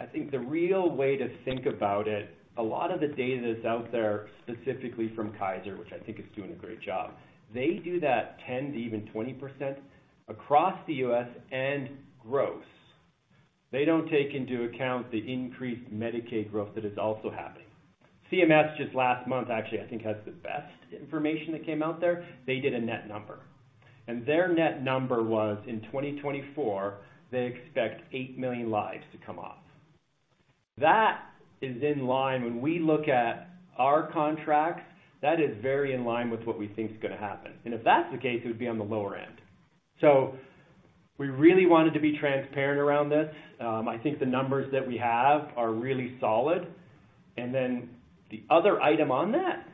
[SPEAKER 3] I think the real way to think about it, a lot of the data that's out there, specifically from Kaiser, which I think is doing a great job, they do that 10% to 20% across the US and gross. They don't take into account the increased Medicaid growth that is also happening. CMS, just last month, actually, I think, has the best information that came out there. They did a net number, and their net number was, in 2024, they expect 8 million lives to come off. That is in line. When we look at our contracts, that is very in line with what we think is gonna happen. If that's the case, it would be on the lower end. So we really wanted to be transparent around this. I think the numbers that we have are really solid. The other item on that,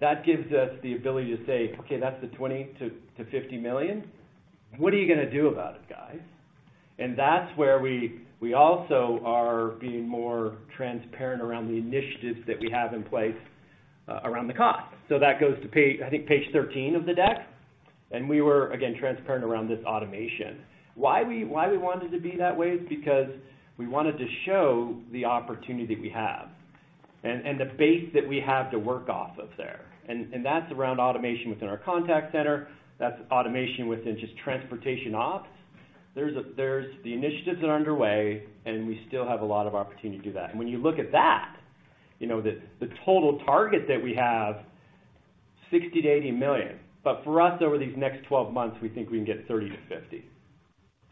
[SPEAKER 3] that gives us the ability to say, "Okay, that's the $20 million-$50 million. What are you gonna do about it, guys?" That's where we, we also are being more transparent around the initiatives that we have in place around the cost. That goes to page, I think, page 13 of the deck. We were, again, transparent around this automation. Why we, why we wanted to be that way is because we wanted to show the opportunity we have and, and the base that we have to work off of there. That's around automation within our contact center, that's automation within just transportation ops. There's the initiatives that are underway, and we still have a lot of opportunity to do that. When you look at that the, the total target that we have, $60 million-$80 million, but for us, over these next 12 months, we think we can get $30 million-$50 million.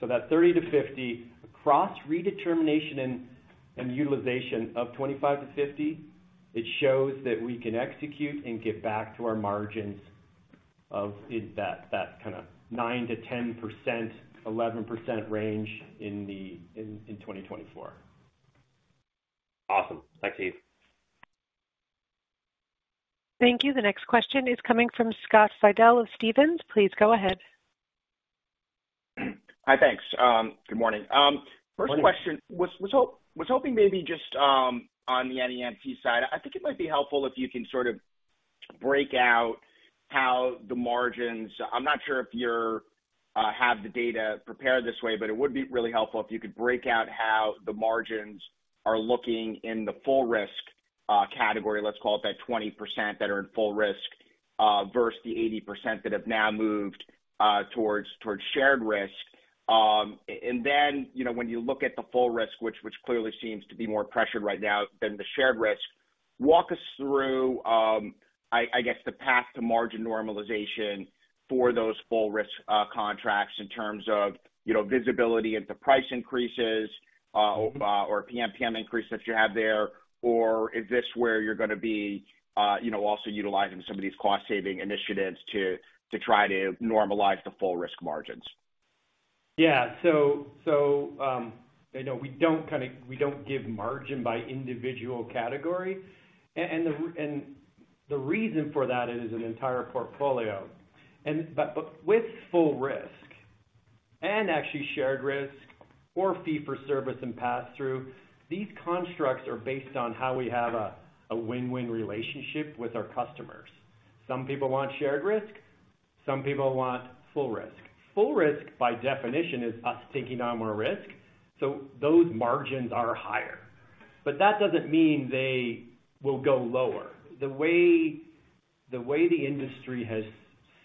[SPEAKER 3] That $30 million-$50 million across redetermination and, and utilization of 25-50, it shows that we can execute and get back to our margins of in that, that kind of 9%-10%, 11% range in 2024.
[SPEAKER 6] Awesome. Thanks, Sampson.
[SPEAKER 1] Thank you. The next question is coming from Scott Fidel of Stephens. Please go ahead.
[SPEAKER 7] Hi, thanks. Good morning.
[SPEAKER 3] Morning.
[SPEAKER 7] first question, was hoping maybe just on the NEMT side, I think it might be helpful if you can sort of break out how the margins. I'm not sure if you're have the data prepared this way, but it would be really helpful if you could break out how the margins are looking in the full-risk category, let's call it that, 20% that are in full-risk versus the 80% that have now moved towards, towards shared-risk. then when you look at the full-risk, which, which clearly seems to be more pressured right now than the shared-risk, walk us through, I, I guess, the path to margin normalization for those full-risk contracts in terms of visibility into price increases.
[SPEAKER 3] Mm-hmm
[SPEAKER 7] PMPM increase that you have there, or is this where you're gonna be also utilizing some of these cost-saving initiatives to, to try to normalize the full risk margins?
[SPEAKER 3] Yeah. So we don't kinda, we don't give margin by individual category. The reason for that, it is an entire portfolio. With full risk, and actually shared risk or fee for service and passthrough, these constructs are based on how we have a, a win-win relationship with our customers. Some people want shared risk, some people want full risk. Full risk, by definition, is us taking on more risk, so those margins are higher. That doesn't mean they will go lower.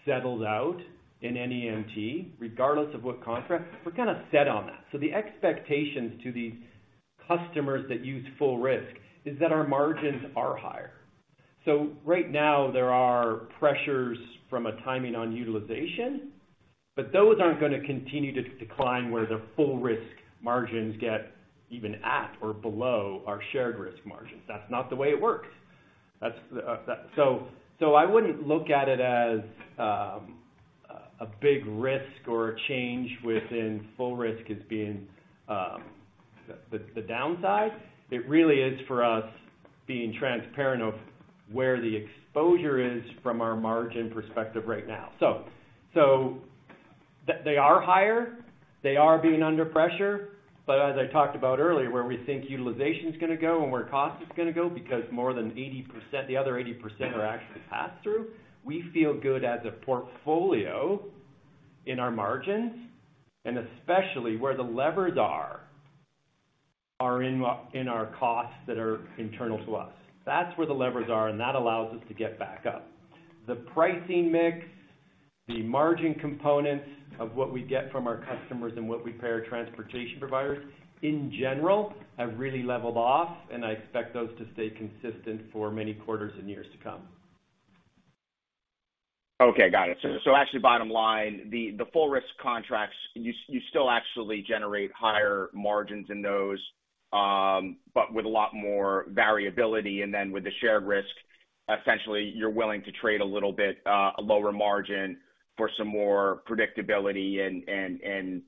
[SPEAKER 3] The way the industry has settled out in NEMT, regardless of what contract, we're kind of set on that. The expectations to the customers that use full risk is that our margins are higher. Right now, there are pressures from a timing on utilization, but those aren't gonna continue to decline where the full-risk margins get even at or below our shared-risk margins. That's not the way it works. I wouldn't look at it as a big risk or a change within full-risk as being the downside. It really is for us, being transparent of where the exposure is from our margin perspective right now. They are higher, they are being under pressure, but as I talked about earlier, where we think utilization is gonna go and where cost is gonna go, because more than 80%, the other 80% are actually pass-through. We feel good as a portfolio in our margins, and especially where the levers are in our costs that are internal to us. That's where the levers are, and that allows us to get back up. The pricing mix, the margin components of what we get from our customers and what we pay our transportation providers, in general, have really leveled off, and I expect those to stay consistent for many quarters and years to come.
[SPEAKER 7] Okay, got it. Actually, bottom line, the, the full-risk contracts, you, you still actually generate higher margins in those, but with a lot more variability, and then with the shared-risk, essentially, you're willing to trade a little bit, a lower margin for some more predictability and, and, and,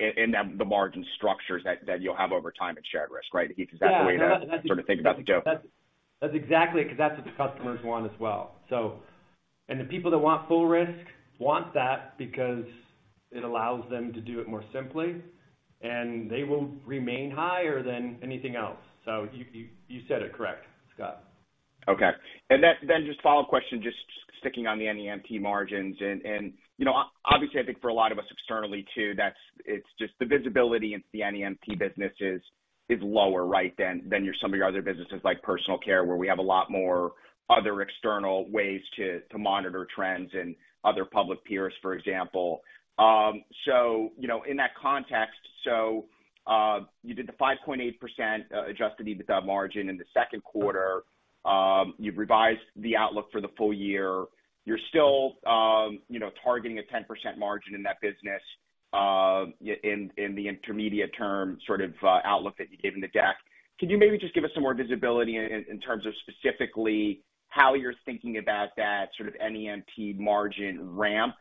[SPEAKER 7] in, in the margin structures that, that you'll have over time at shared-risk, right? Is that the way to sort of think about the two?
[SPEAKER 3] That's exactly it, because that's what the customers want as well. The people that want full risk want that because it allows them to do it more simply, and they will remain higher than anything else. You said it correct, Scott.
[SPEAKER 7] Okay. Then, then just a follow-up question, just sticking on the NEMT margins. obviously, I think for a lot of us externally, too, that's-- it's just the visibility into the NEMT business is, is lower, right, than, than your some of your other businesses, like Personal Care, where we have a lot more other external ways to, to monitor trends and other public peers, for example. so in that context, you did the 5.8% adjusted EBITDA margin in Q2. You've revised the outlook for the full year. You're still targeting a 10% margin in that business, in, in the intermediate term, sort of, outlook that you gave in the deck. Could you maybe just give us some more visibility in terms of specifically how you're thinking about that sort of NEMT margin ramp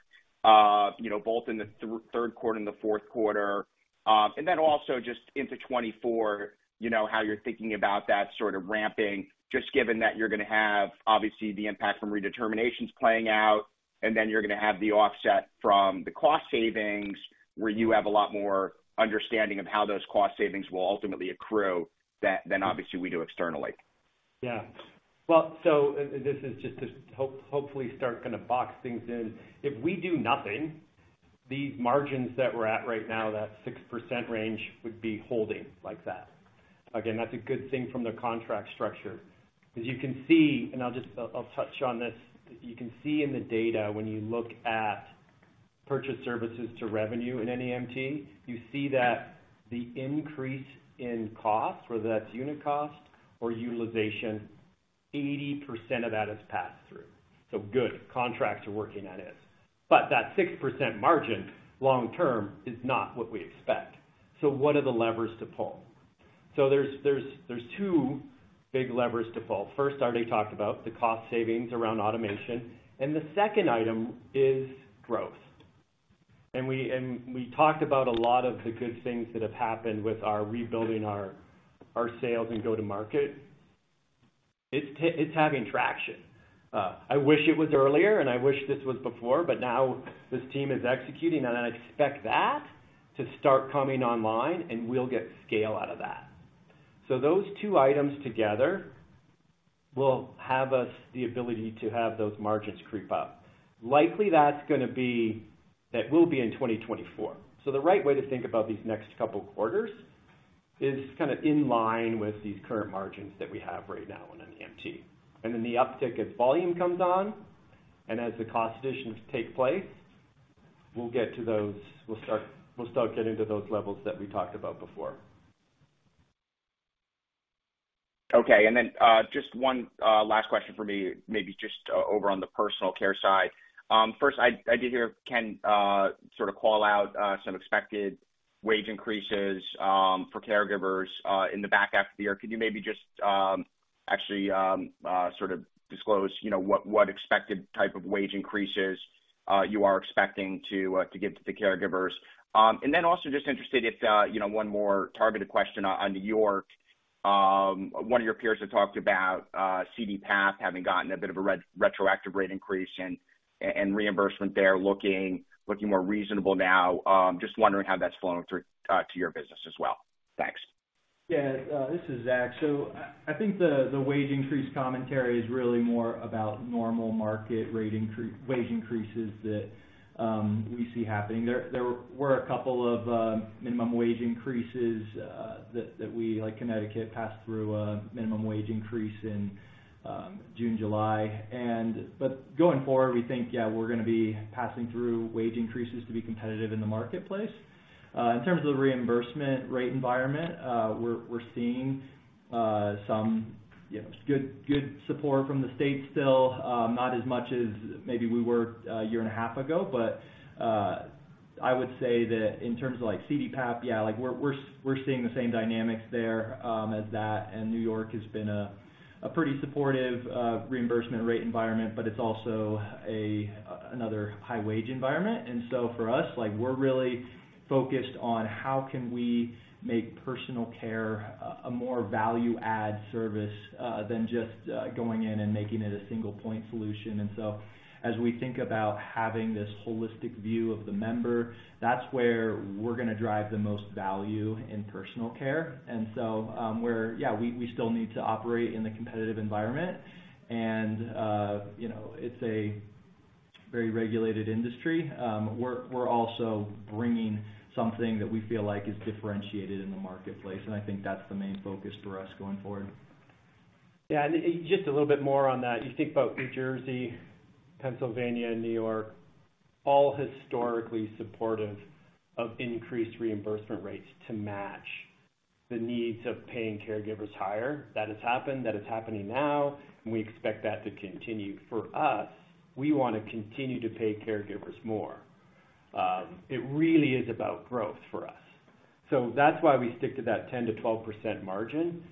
[SPEAKER 7] both in Q3 and the Q4? Then also just into 2024 how you're thinking about that sort of ramping, just given that you're gonna have, obviously, the impact from redeterminations playing out, and then you're gonna have the offset from the cost savings, where you have a lot more understanding of how those cost savings will ultimately accrue, that than obviously we do externally.
[SPEAKER 3] Well, this is just to hopefully start kind of box things in. If we do nothing, these margins that we're at right now, that 6% range, would be holding like that. Again, that's a good thing from the contract structure. As you can see, and I'll just, I'll touch on this, you can see in the data when you look at purchase services to revenue in NEMT, you see that the increase in cost, whether that's unit cost or utilization, 80% of that is passed through. Good, contracts are working as is. That 6% margin long term is not what we expect. What are the levers to pull? There's, there's, there's two big levers to pull. First, I already talked about the cost savings around automation, the second item is growth. We talked about a lot of the good things that have happened with our rebuilding our sales and go-to-market. It's having traction. I wish it was earlier, and I wish this was before, but now this team is executing, and I expect that to start coming online, and we'll get scale out of that. Those two items together will have us the ability to have those margins creep up. Likely, that's gonna be That will be in 2024. The right way to think about these next couple of quarters is kind of in line with these current margins that we have right now on NEMT. The uptick as volume comes on and as the cost additions take place, we'll get to those we'll start getting to those levels that we talked about before.
[SPEAKER 7] Just one last question for me, maybe just over on the Personal Care side. First, I, I did hear Ken sort of call out some expected wage increases for caregivers in the back half of the year. Could you maybe just actually sort of disclose what, what expected type of wage increases you are expecting to give to the caregivers? And then also just interested if one more targeted question on New York. One of your peers have talked about CDPAP having gotten a bit of a retroactive rate increase and, and reimbursement there, looking, looking more reasonable now. Just wondering how that's flowing through to your business as well. Thanks.
[SPEAKER 8] Yeah, this is Zach. The wage increase commentary is really more about normal market rate wage increases that we see happening there. There were a couple of minimum wage increases that we, like Connecticut, passed through a minimum wage increase in June, July. Going forward, we're going to be passing through wage increases to be competitive in the marketplace. In terms of the reimbursement rate environment, we're seeing some, good support from the state still, not as much as maybe we were a year and a half ago. I would say that in terms of, like, CDPAP like we're, we're, we're seeing the same dynamics there, as that, and New York has been a pretty supportive reimbursement rate environment, but it's also another high wage environment. So for us, like, we're really focused on how can we make Personal Care a more value add service than just going in and making it a single point solution. So, as we think about having this holistic view of the member, that's where we're gonna drive the most value in Personal Care. we, we still need to operate in the competitive environment, and it's a very regulated industry. We're also bringing something that we feel like is differentiated in the marketplace, and I think that's the main focus for us going forward.
[SPEAKER 3] Just a little bit more on that. You think about New Jersey, Pennsylvania, and New York, all historically supportive of increased reimbursement rates to match the needs of paying caregivers higher. That has happened, that is happening now, and we expect that to continue. For us, we wanna continue to pay caregivers more. It really is about growth for us. That's why we stick to that 10%-12% margin.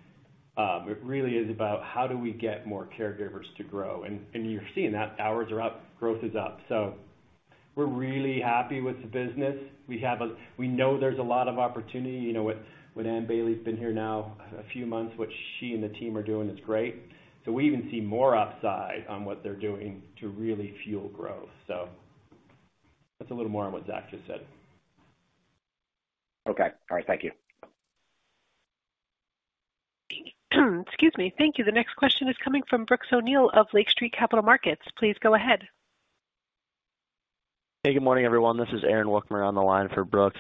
[SPEAKER 3] It really is about how do we get more caregivers to grow? You're seeing that hours are up, growth is up. We're really happy with the business. We know there's a lot of opportunity with Anne Bailey's been here now a few months. What she and the team are doing is great. We even see more upside on what they're doing to really fuel growth. That's a little more on what Zach just said.
[SPEAKER 7] Okay. All right, thank you.
[SPEAKER 1] Excuse me. Thank you. The next question is coming from Brooks O'Neill of Lake Street Capital Markets. Please go ahead.
[SPEAKER 9] Hey, good morning, everyone. This is Aaron Wukmir on the line for Brooks.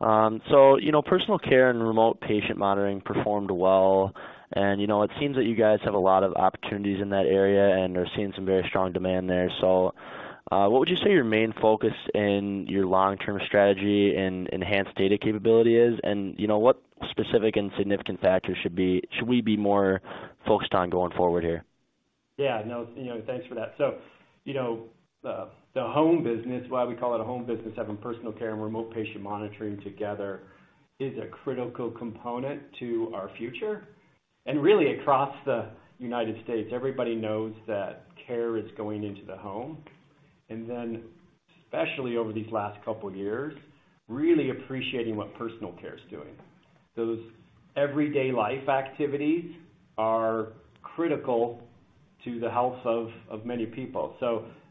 [SPEAKER 9] Personal Care and Remote Patient Monitoring performed well, and it seems that you guys have a lot of opportunities in that area and are seeing some very strong demand there. What would you say your main focus in your long-term strategy and enhanced data capability is? what specific and significant factors should we be more focused on going forward here?
[SPEAKER 3] No, thanks for that. the home business, why we call it a home business, having Personal Care and Remote Patient Monitoring together, is a critical component to our future. Really, across the United States, everybody knows that care is going into the home, and then, especially over these last couple of years, really appreciating what Personal Care is doing. Those everyday life activities are critical to the health of many people.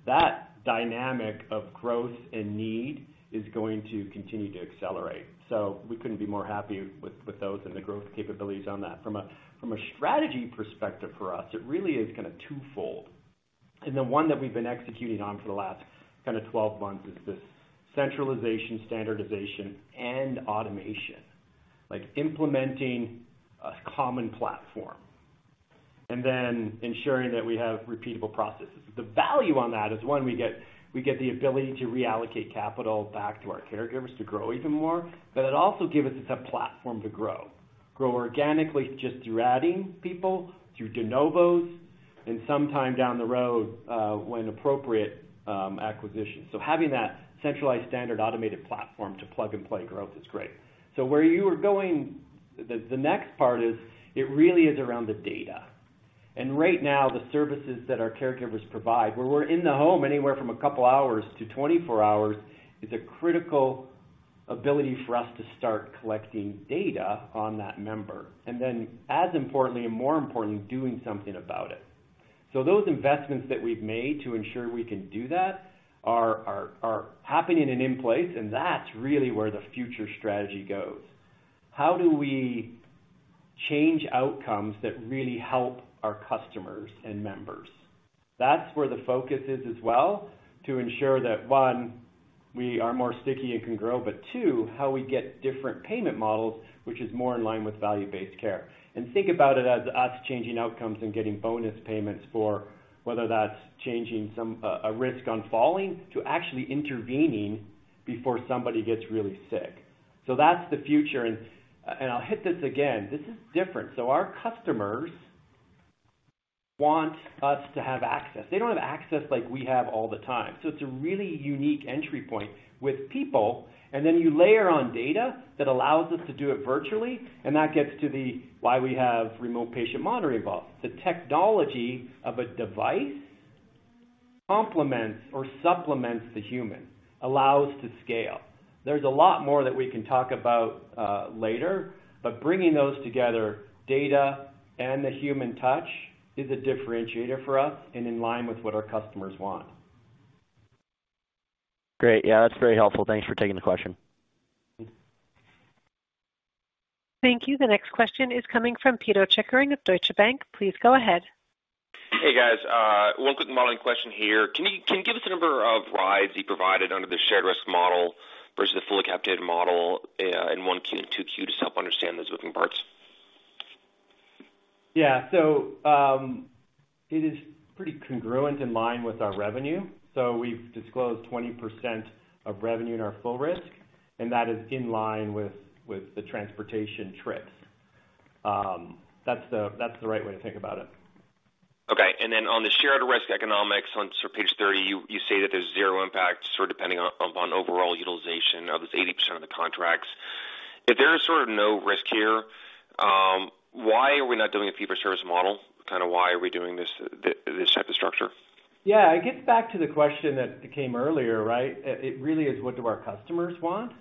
[SPEAKER 3] That dynamic of growth and need is going to continue to accelerate. We couldn't be more happy with those and the growth capabilities on that. From a strategy perspective, for us, it really is kinda twofold. The one that we've been executing on for the last kinda 12 months is this centralization, standardization, and automation. Like implementing a common platform and then ensuring that we have repeatable processes. The value on that is, one, we get the ability to reallocate capital back to our caregivers to grow even more, it also gives us a platform to grow. Grow organically, just through adding people, through de novos, sometime down the road, when appropriate, acquisition. Having that centralized, standard, automated platform to plug and play growth is great. Where you are going, the next part is it really is around the data. Right now, the services that our caregivers provide, where we're in the home anywhere from a couple hours to 24 hours, is a critical ability for us to start collecting data on that member. Then, as importantly and more important, doing something about it. Those investments that we've made to ensure we can do that are, are, are happening and in place, and that's really where the future strategy goes. How do we change outcomes that really help our customers and members? That's where the focus is as well, to ensure that, one, we are more sticky and can grow, but two, how we get different payment models, which is more in line with value-based care. Think about it as us changing outcomes and getting bonus payments for whether that's changing some, a risk on falling to actually intervening before somebody gets really sick. That's the future, and I'll hit this again. This is different. Our customers want us to have access. They don't have access like we have all the time. It's a really unique entry point with people, and then you layer on data that allows us to do it virtually, and that gets to the why we have remote patient monitoring involved. The technology of a device complements or supplements the human, allows to scale. There's a lot more that we can talk about, later, but bringing those together, data and the human touch, is a differentiator for us and in line with what our customers want.
[SPEAKER 9] Great. that's very helpful. Thanks for taking the question.
[SPEAKER 1] Thank you. The next question is coming from Peter Choi of Deutsche Bank. Please go ahead.
[SPEAKER 10] Hey, guys. one quick modeling question here. Can you, can you give us a number of rides you provided under the shared-risk model versus the fully captured model, in 1Q and 2Q to help understand those moving parts?
[SPEAKER 3] So, it is pretty congruent in line with our revenue. We've disclosed 20% of revenue in our full-risk, and that is in line with the transportation trips. That's the right way to think about it.
[SPEAKER 10] Okay. Then on the shared risk economics on page 30, you, you say that there's 0 impact, sort of, depending on, on overall utilization of this 80% of the contracts. If there is sort of no risk here, why are we not doing a fee-for-service model? Kinda, why are we doing this, this type of structure?
[SPEAKER 3] It gets back to the question that came earlier, right? It really is, what do our customers want?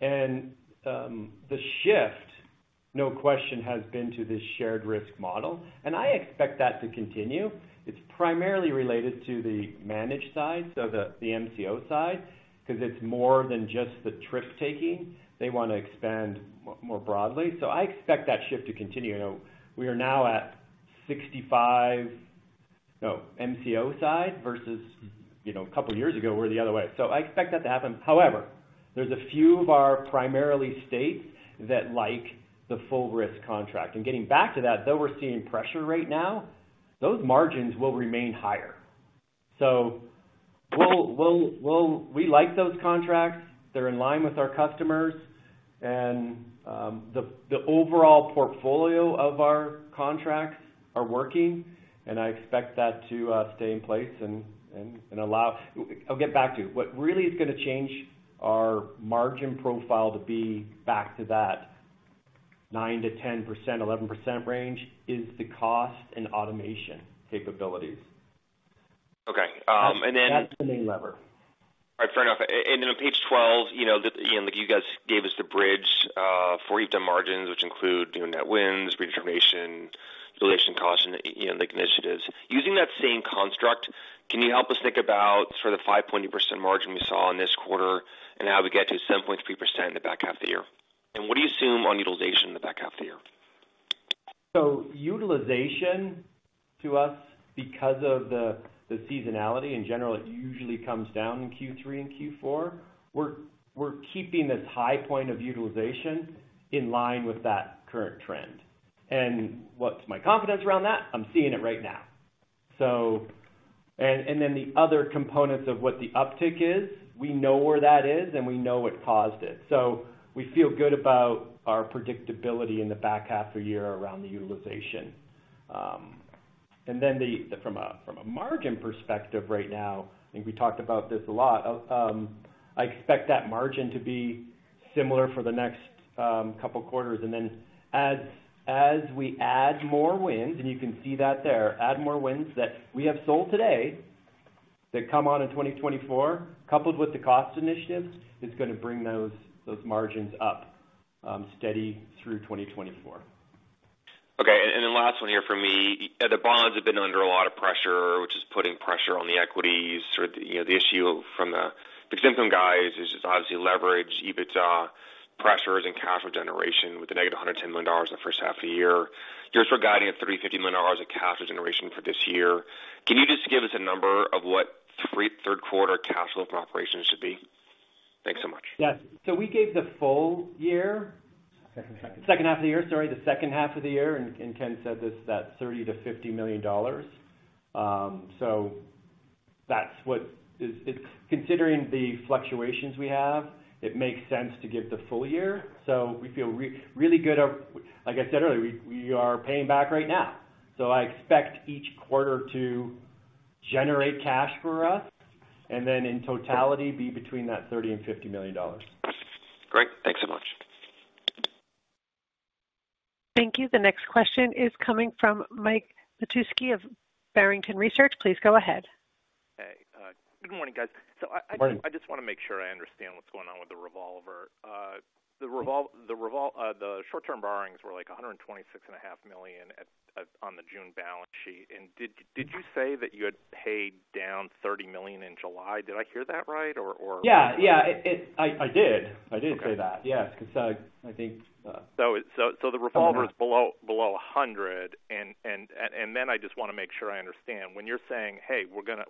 [SPEAKER 3] The shift, no question, has been to this shared-risk model, and I expect that to continue. It's primarily related to the managed side, so the MCO side, 'cause it's more than just the trip-taking. They wanna expand more broadly. I expect that shift to continue. we are now at 65, no, MCO side versus a couple of years ago, we're the other way. I expect that to happen. However, there's a few of our primarily states that like the full-risk contract. Getting back to that, though we're seeing pressure right now, those margins will remain higher. We like those contracts. They're in line with our customers and, the overall portfolio of our contracts are working, and I expect that to stay in place. I'll get back to you. What really is gonna change our margin profile to be back to that 9%-10%, 11% range is the cost and automation capabilities.
[SPEAKER 10] Okay.
[SPEAKER 3] That's the main lever.
[SPEAKER 10] All right, fair enough. And then on page 12 the you guys gave us the bridge for EBITDA margins, which include net wins, Redetermination, utilization costs, and the initiatives. Using that same construct, can you help us think about sort of the 5% margin we saw in this quarter and how we get to 7.3% in the back half of the year? What do you assume on utilization in the back half of the year?
[SPEAKER 3] Utilization to us, because of the seasonality in general, it usually comes down in Q3 and Q4. We're keeping this high point of utilization in line with that current trend. And what's my confidence around that? I'm seeing it right now. And then the other components of what the uptick is, we know where that is, and we know what caused it. We feel good about our predictability in the back half of the year around the utilization. And then from a, from a margin perspective right now, I think we talked about this a lot. I expect that margin to be similar for the next couple of quarters. As, we add more wins, and you can see that there, add more wins that we have sold today, that come on in 2024, coupled with the cost initiatives, is gonna bring those, those margins up, steady through 2024.
[SPEAKER 10] Okay, last one here for me. The bonds have been under a lot of pressure, which is putting pressure on the equities. Sort of the issue from the fixed income guys is obviously leverage, EBITDA, pressures and cash flow generation with the negative $110 million in the first half of the year. Just regarding the $30 million-$50 million of cash generation for this year, can you just give us a number of what Q3 cash flow from operations should be? Thanks so much.
[SPEAKER 3] Yes. We gave the full year. Second half. Second half of the year, sorry, the second half of the year, Ken said this, that $30 million-$50 million. That's what is, it's considering the fluctuations we have, it makes sense to give the full year. We feel really good. Like I said earlier, we, we are paying back right now. I expect each quarter to generate cash for us, and then in totality, be between that $30 million and $50 million.
[SPEAKER 10] Great. Thanks so much.
[SPEAKER 1] Thank you. The next question is coming from Mike Petusky of Barrington Research. Please go ahead.
[SPEAKER 11] Hey, good morning, guys.
[SPEAKER 3] Good morning.
[SPEAKER 11] I just want make sure I understand what's going on with the revolver. The short-term borrowings were $126.5 million on the June balance sheet. Did you say that you had paid down $30 million in July? Did I hear that right?
[SPEAKER 3] It I did say that.
[SPEAKER 11] Okay.
[SPEAKER 3] Yes, because I, I think.
[SPEAKER 11] It's, the revolver is below $100. I just wanna make sure I understand. When you're saying, "Hey, we're going to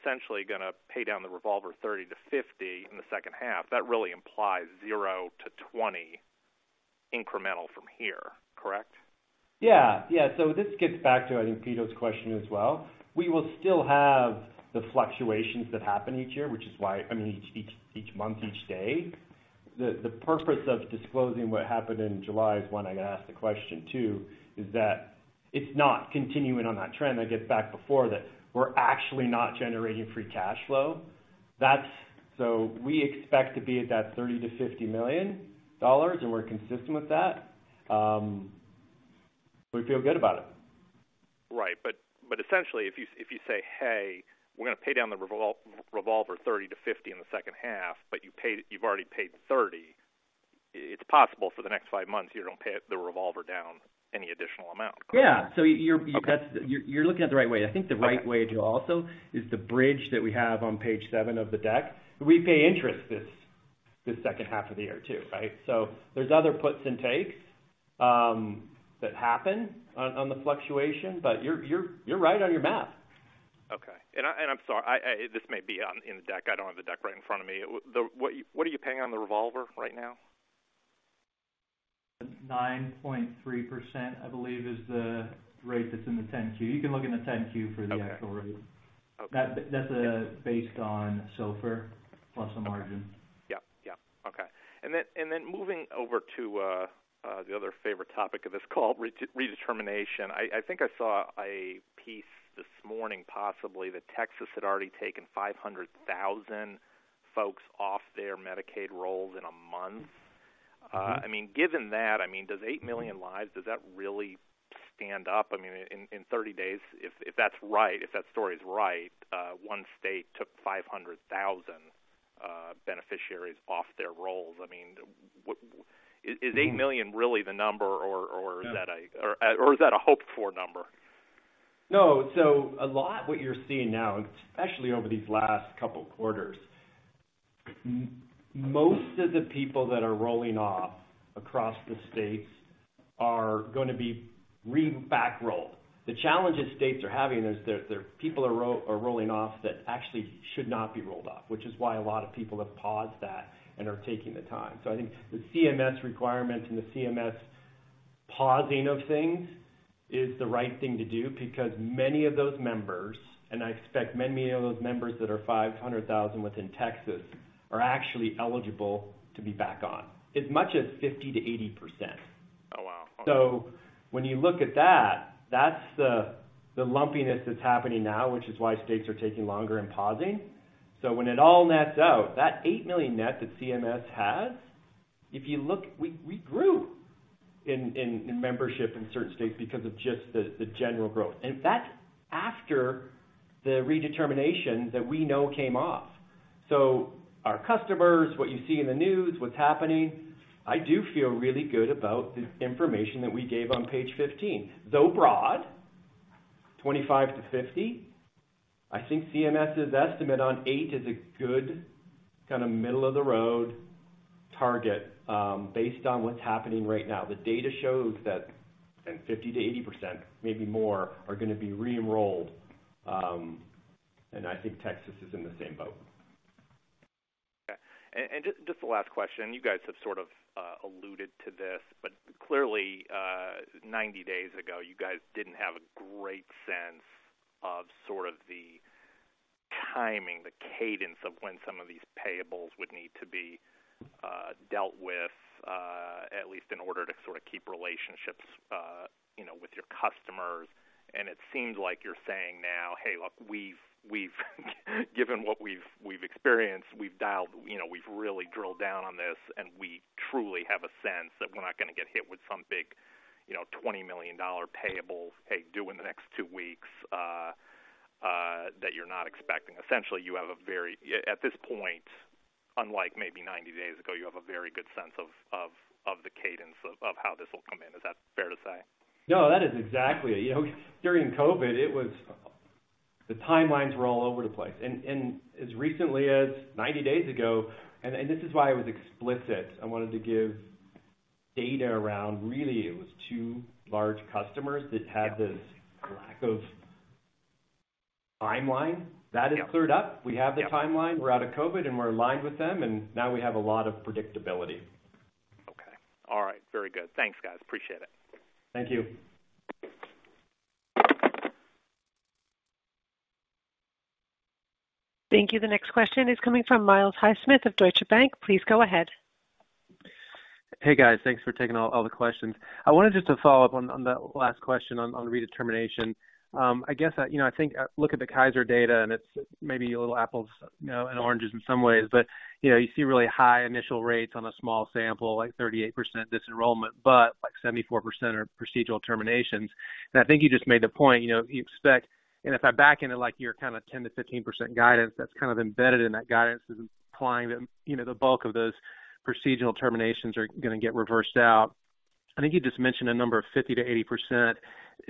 [SPEAKER 11] essentially gonna pay down the revolver $30-$50 in the second half," that really implies $0-$20 incremental from here, correct?
[SPEAKER 3] This gets back to, I think, Peter's question as well. We will still have the fluctuations that happen each year, which is why, I mean, each, each, each month, each day. The, the purpose of disclosing what happened in July is when I got asked the question, too, is that it's not continuing on that trend. I get back before that. We're actually not generating free cash flow. We expect to be at that $30 million-$50 million, and we're consistent with that. We feel good about it.
[SPEAKER 11] Right. Essentially, if you say, "Hey, we're gonna pay down the revolver $30 to $50 in the second half," but you paid, you've already paid $30. It's possible for the next 5 months, you don't pay the revolver down any additional amount?
[SPEAKER 3] Yeah.
[SPEAKER 11] Okay.
[SPEAKER 3] That's. You're, you're looking at the right way. I think the right way to also is the bridge that we have on page seven of the deck. We pay interest this, this second half of the year, too, right? There's other puts and takes that happen on, on the fluctuation, but you're, you're, you're right on your math.
[SPEAKER 11] Okay. I, and I'm sorry, this may be on in the deck. I don't have the deck right in front of me. The, what, what are you paying on the revolver right now?
[SPEAKER 3] 9.3%, I believe, is the rate that's in the 10-Q. You can look in the 10-Q for the actual rate.
[SPEAKER 11] Okay.
[SPEAKER 3] That, that's based on SOFR plus a margin.
[SPEAKER 11] Yes. Okay. Then moving over to the other favorite topic of this call, redetermination. I, I think I saw a piece this morning, possibly, that Texas had already taken 500,000 folks off their Medicaid rolls in a month.
[SPEAKER 3] Mm-hmm.
[SPEAKER 11] Given that does 8 million lives, does that really stand up? I mean, in, in 30 days, if, if that's right, if that story is right, one state took 500,000 beneficiaries off their rolls.
[SPEAKER 3] Mm-hmm.
[SPEAKER 11] Is $8 million really the number?
[SPEAKER 3] No.
[SPEAKER 11] Is that a hoped-for number?
[SPEAKER 3] No. A lot of what you're seeing now, and especially over these last couple of quarters, most of the people that are rolling off across the states are gonna be re-back rolled. The challenge that states are having is that their people are rolling off that actually should not be rolled off, which is why a lot of people have paused that and are taking the time. I think the CMS requirements and the CMS pausing of things is the right thing to do, because many of those members, and I expect many of those members that are 500,000 within Texas, are actually eligible to be back on. As much as 50%-80%.
[SPEAKER 11] Oh, wow!
[SPEAKER 3] When you look at that, that's the, the lumpiness that's happening now, which is why states are taking longer and pausing. When it all nets out, that $8 million net that CMS has, if you look. We grew in membership in certain states because of just the, the general growth, and that's after the redetermination that we know came off. Our customers, what you see in the news, what's happening, I do feel really good about the information that we gave on page 15. Though broad, 25-50, I think CMS's estimate on 8 is a good kind of middle-of-the-road target, based on what's happening right now. The data shows that 50%-80%, maybe more, are gonna be re-enrolled, and I think Texas is in the same boat.
[SPEAKER 11] Okay. Just the last question, you everyone have sort of, alluded to this, but clearly, 90 days ago, you guys didn't have a great sense of sort of the timing, the cadence of when some of these payables would need to be, dealt with, at least in order to sort of keep relationships with your customers. It seems like you're saying now: "Hey, look, we've, we've, given what we've, we've experienced, we've dialed we've really drilled down on this, and we truly have a sense that we're not gonna get hit with some big $20 million payable, hey, due in the next 2 weeks," that you're not expecting. Essentially, you have a very. At this point, unlike maybe 90 days ago, you have a very good sense of the cadence of how this will come in. Is that fair to say?
[SPEAKER 3] No, that is exactly it. During COVID, the timelines were all over the place. As recently as 90 days ago, this is why I was explicit, I wanted to give data around really it was two large customers.
[SPEAKER 11] Yes.
[SPEAKER 3] This lack of timeline.
[SPEAKER 11] Yes.
[SPEAKER 3] That is cleared up.
[SPEAKER 11] Yes.
[SPEAKER 3] We have the timeline, we're out of COVID, and we're aligned with them, and now we have a lot of predictability.
[SPEAKER 11] Okay. All right. Very good. Thanks everyone. Appreciate it.
[SPEAKER 3] Thank you.
[SPEAKER 1] Thank you. The next question is coming from Myles Highsmith of Deutsche Bank. Please go ahead.
[SPEAKER 12] Hey, guys. Thanks for taking all the questions. I wanted just to follow up on, on that last question on, on redetermination. I guess, i I think, I look at the Kaiser data, and it's maybe a little apples and oranges in some ways, but you see really high initial rates on a small sample, like 38% disenrollment, but like 74% are procedural terminations. I think you just made the point you expect, and if I back into, like, your kind of 10%-15% guidance, that's kind of embedded in that guidance, is implying that the bulk of those procedural terminations are gonna get reversed out. I think you just mentioned a number of 50%-80%.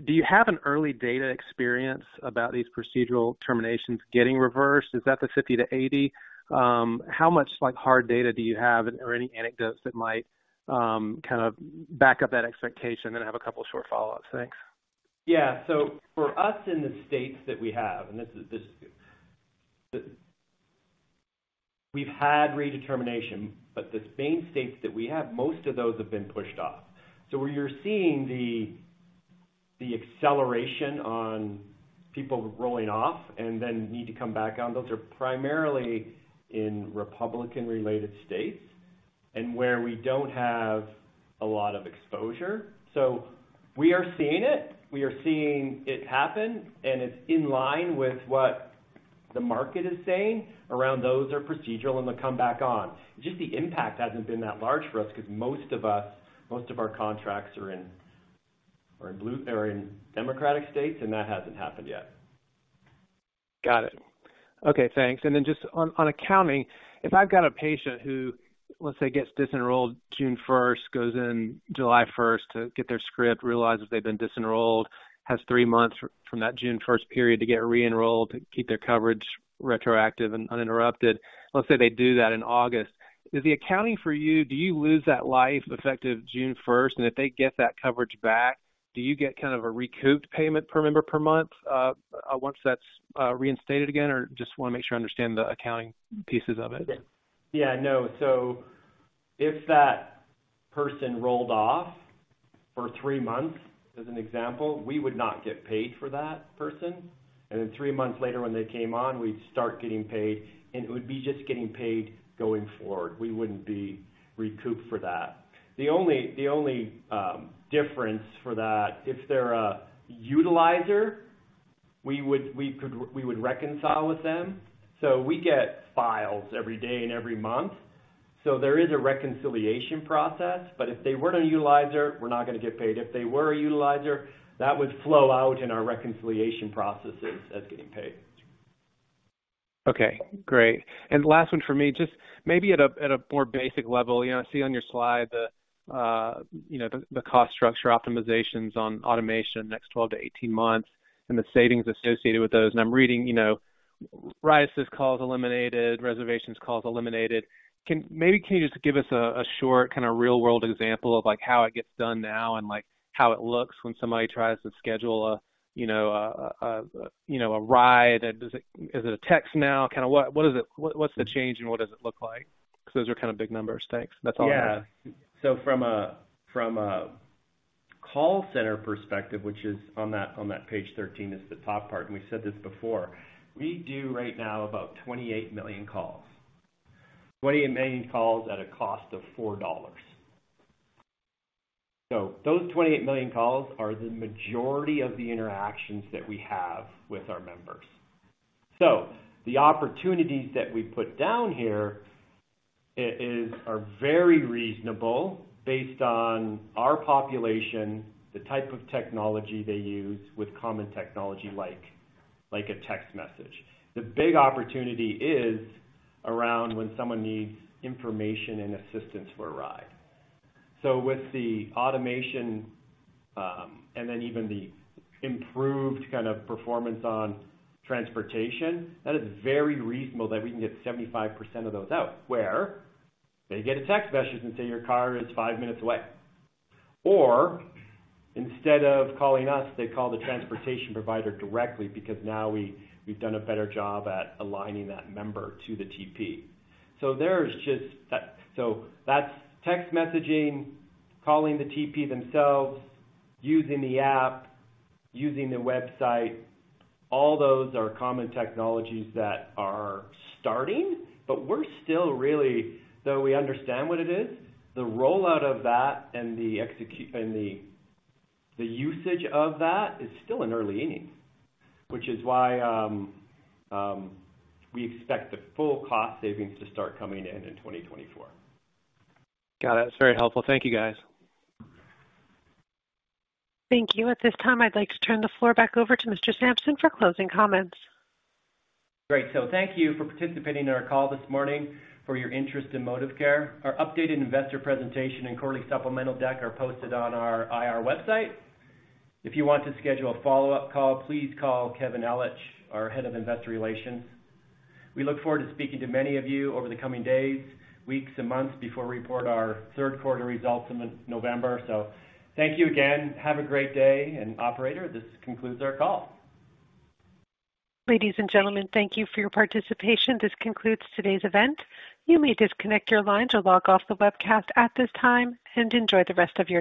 [SPEAKER 12] Do you have an early data experience about these procedural terminations getting reversed? Is that the 50-80? How much, like, hard data do you have, or any anecdotes that might, kind of back up that expectation? I have a couple short follow-ups. Thanks.
[SPEAKER 3] For us in the states that we have, and this is, this, we've had redetermination, but the same states that we have, most of those have been pushed off. Where you're seeing the, the acceleration on people rolling off and then need to come back on, those are primarily in Republican-related states and where we don't have a lot of exposure. We are seeing it. We are seeing it happen, and it's in line with what the market is saying around those are procedural, and they come back on. Just the impact hasn't been that large for us because most of us, most of our contracts are in, are in Democratic states, and that hasn't happened yet.
[SPEAKER 12] Got it. Okay, thanks. Just on, on accounting, if I've got a patient who, let's say, gets disenrolled June 1st, goes in July 1st to get their script, realizes they've been disenrolled, has 3 months from that June 1st period to get re-enrolled to keep their coverage retroactive and uninterrupted. Let's say they do that in August. Is the accounting for you, do you lose that life effective June 1st, and if they get that coverage back, do you get kind of a recouped payment per member, per month, once that's reinstated again? Just wanna make sure I understand the accounting pieces of it?
[SPEAKER 3] No. If that person rolled off for three months, as an example, we would not get paid for that person. Three months later, when they came on, we'd start getting paid. It would be just getting paid going forward. We wouldn't be recouped for that. The only, the only difference for that, if they're a utilizer, we would reconcile with them. We get files every day and every month. There is a reconciliation process. If they weren't a utilizer, we're not gonna get paid. If they were a utilizer, that would flow out in our reconciliation processes as getting paid.
[SPEAKER 12] Okay, great. The last one for me, just maybe at a, at a more basic level I see on your slide the the, the cost structure optimizations on automation next 12 to 18 months and the savings associated with those. I'm reading rides as calls eliminated, reservations calls eliminated. maybe, can you just give us a, a short, kinda real-world example of, like, how it gets done now and, like, how it looks when somebody tries to schedule a a a ride? Is it a text now? Kinda what, what's the change, and what does it look like? Because those are kind of big numbers. Thanks. That's all.
[SPEAKER 3] From a call center perspective, which is on that page 13, it's the top part, and we've said this before, we do right now about 28 million calls. 28 million calls at a cost of $4. Those 28 million calls are the majority of the interactions that we have with our members. The opportunities that we put down here are very reasonable based on our population, the type of technology they use with common technology like a text message. The big opportunity is around when someone needs information and assistance for a ride. With the automation, and then even the improved kind of performance on transportation, that is very reasonable that we can get 75% of those out, where they get a text message and say, "Your car is 5 minutes away." Instead of calling us, they call the transportation provider directly, because now we, we've done a better job at aligning that member to the TP. There's just that. That's text messaging, calling the TP themselves, using the app, using the website. All those are common technologies that are starting, but we're still really, though we understand what it is, the rollout of that and the execu- and the, the usage of that is still in early innings, which is why, we expect the full cost savings to start coming in in 2024.
[SPEAKER 12] Got it. That's very helpful. Thank you, guys.
[SPEAKER 1] Thank you. At this time, I'd like to turn the floor back over to Mr. Sampson for closing comments.
[SPEAKER 3] Great. Thank you for participating in our call this morning, for your interest in ModivCare. Our updated investor presentation and quarterly supplemental deck are posted on our IR website. If you want to schedule a follow-up call, please call Kevin Ellich, our Head of Investor Relations. We look forward to speaking to many of you over the coming days, weeks, and months before we report our Q3 results in mid November. Thank you again. Have a great day, Operator, this concludes our call.
[SPEAKER 1] Ladies and gentlemen, thank you for your participation. This concludes today's event. You may disconnect your lines or log off the webcast at this time, and enjoy the rest of your day.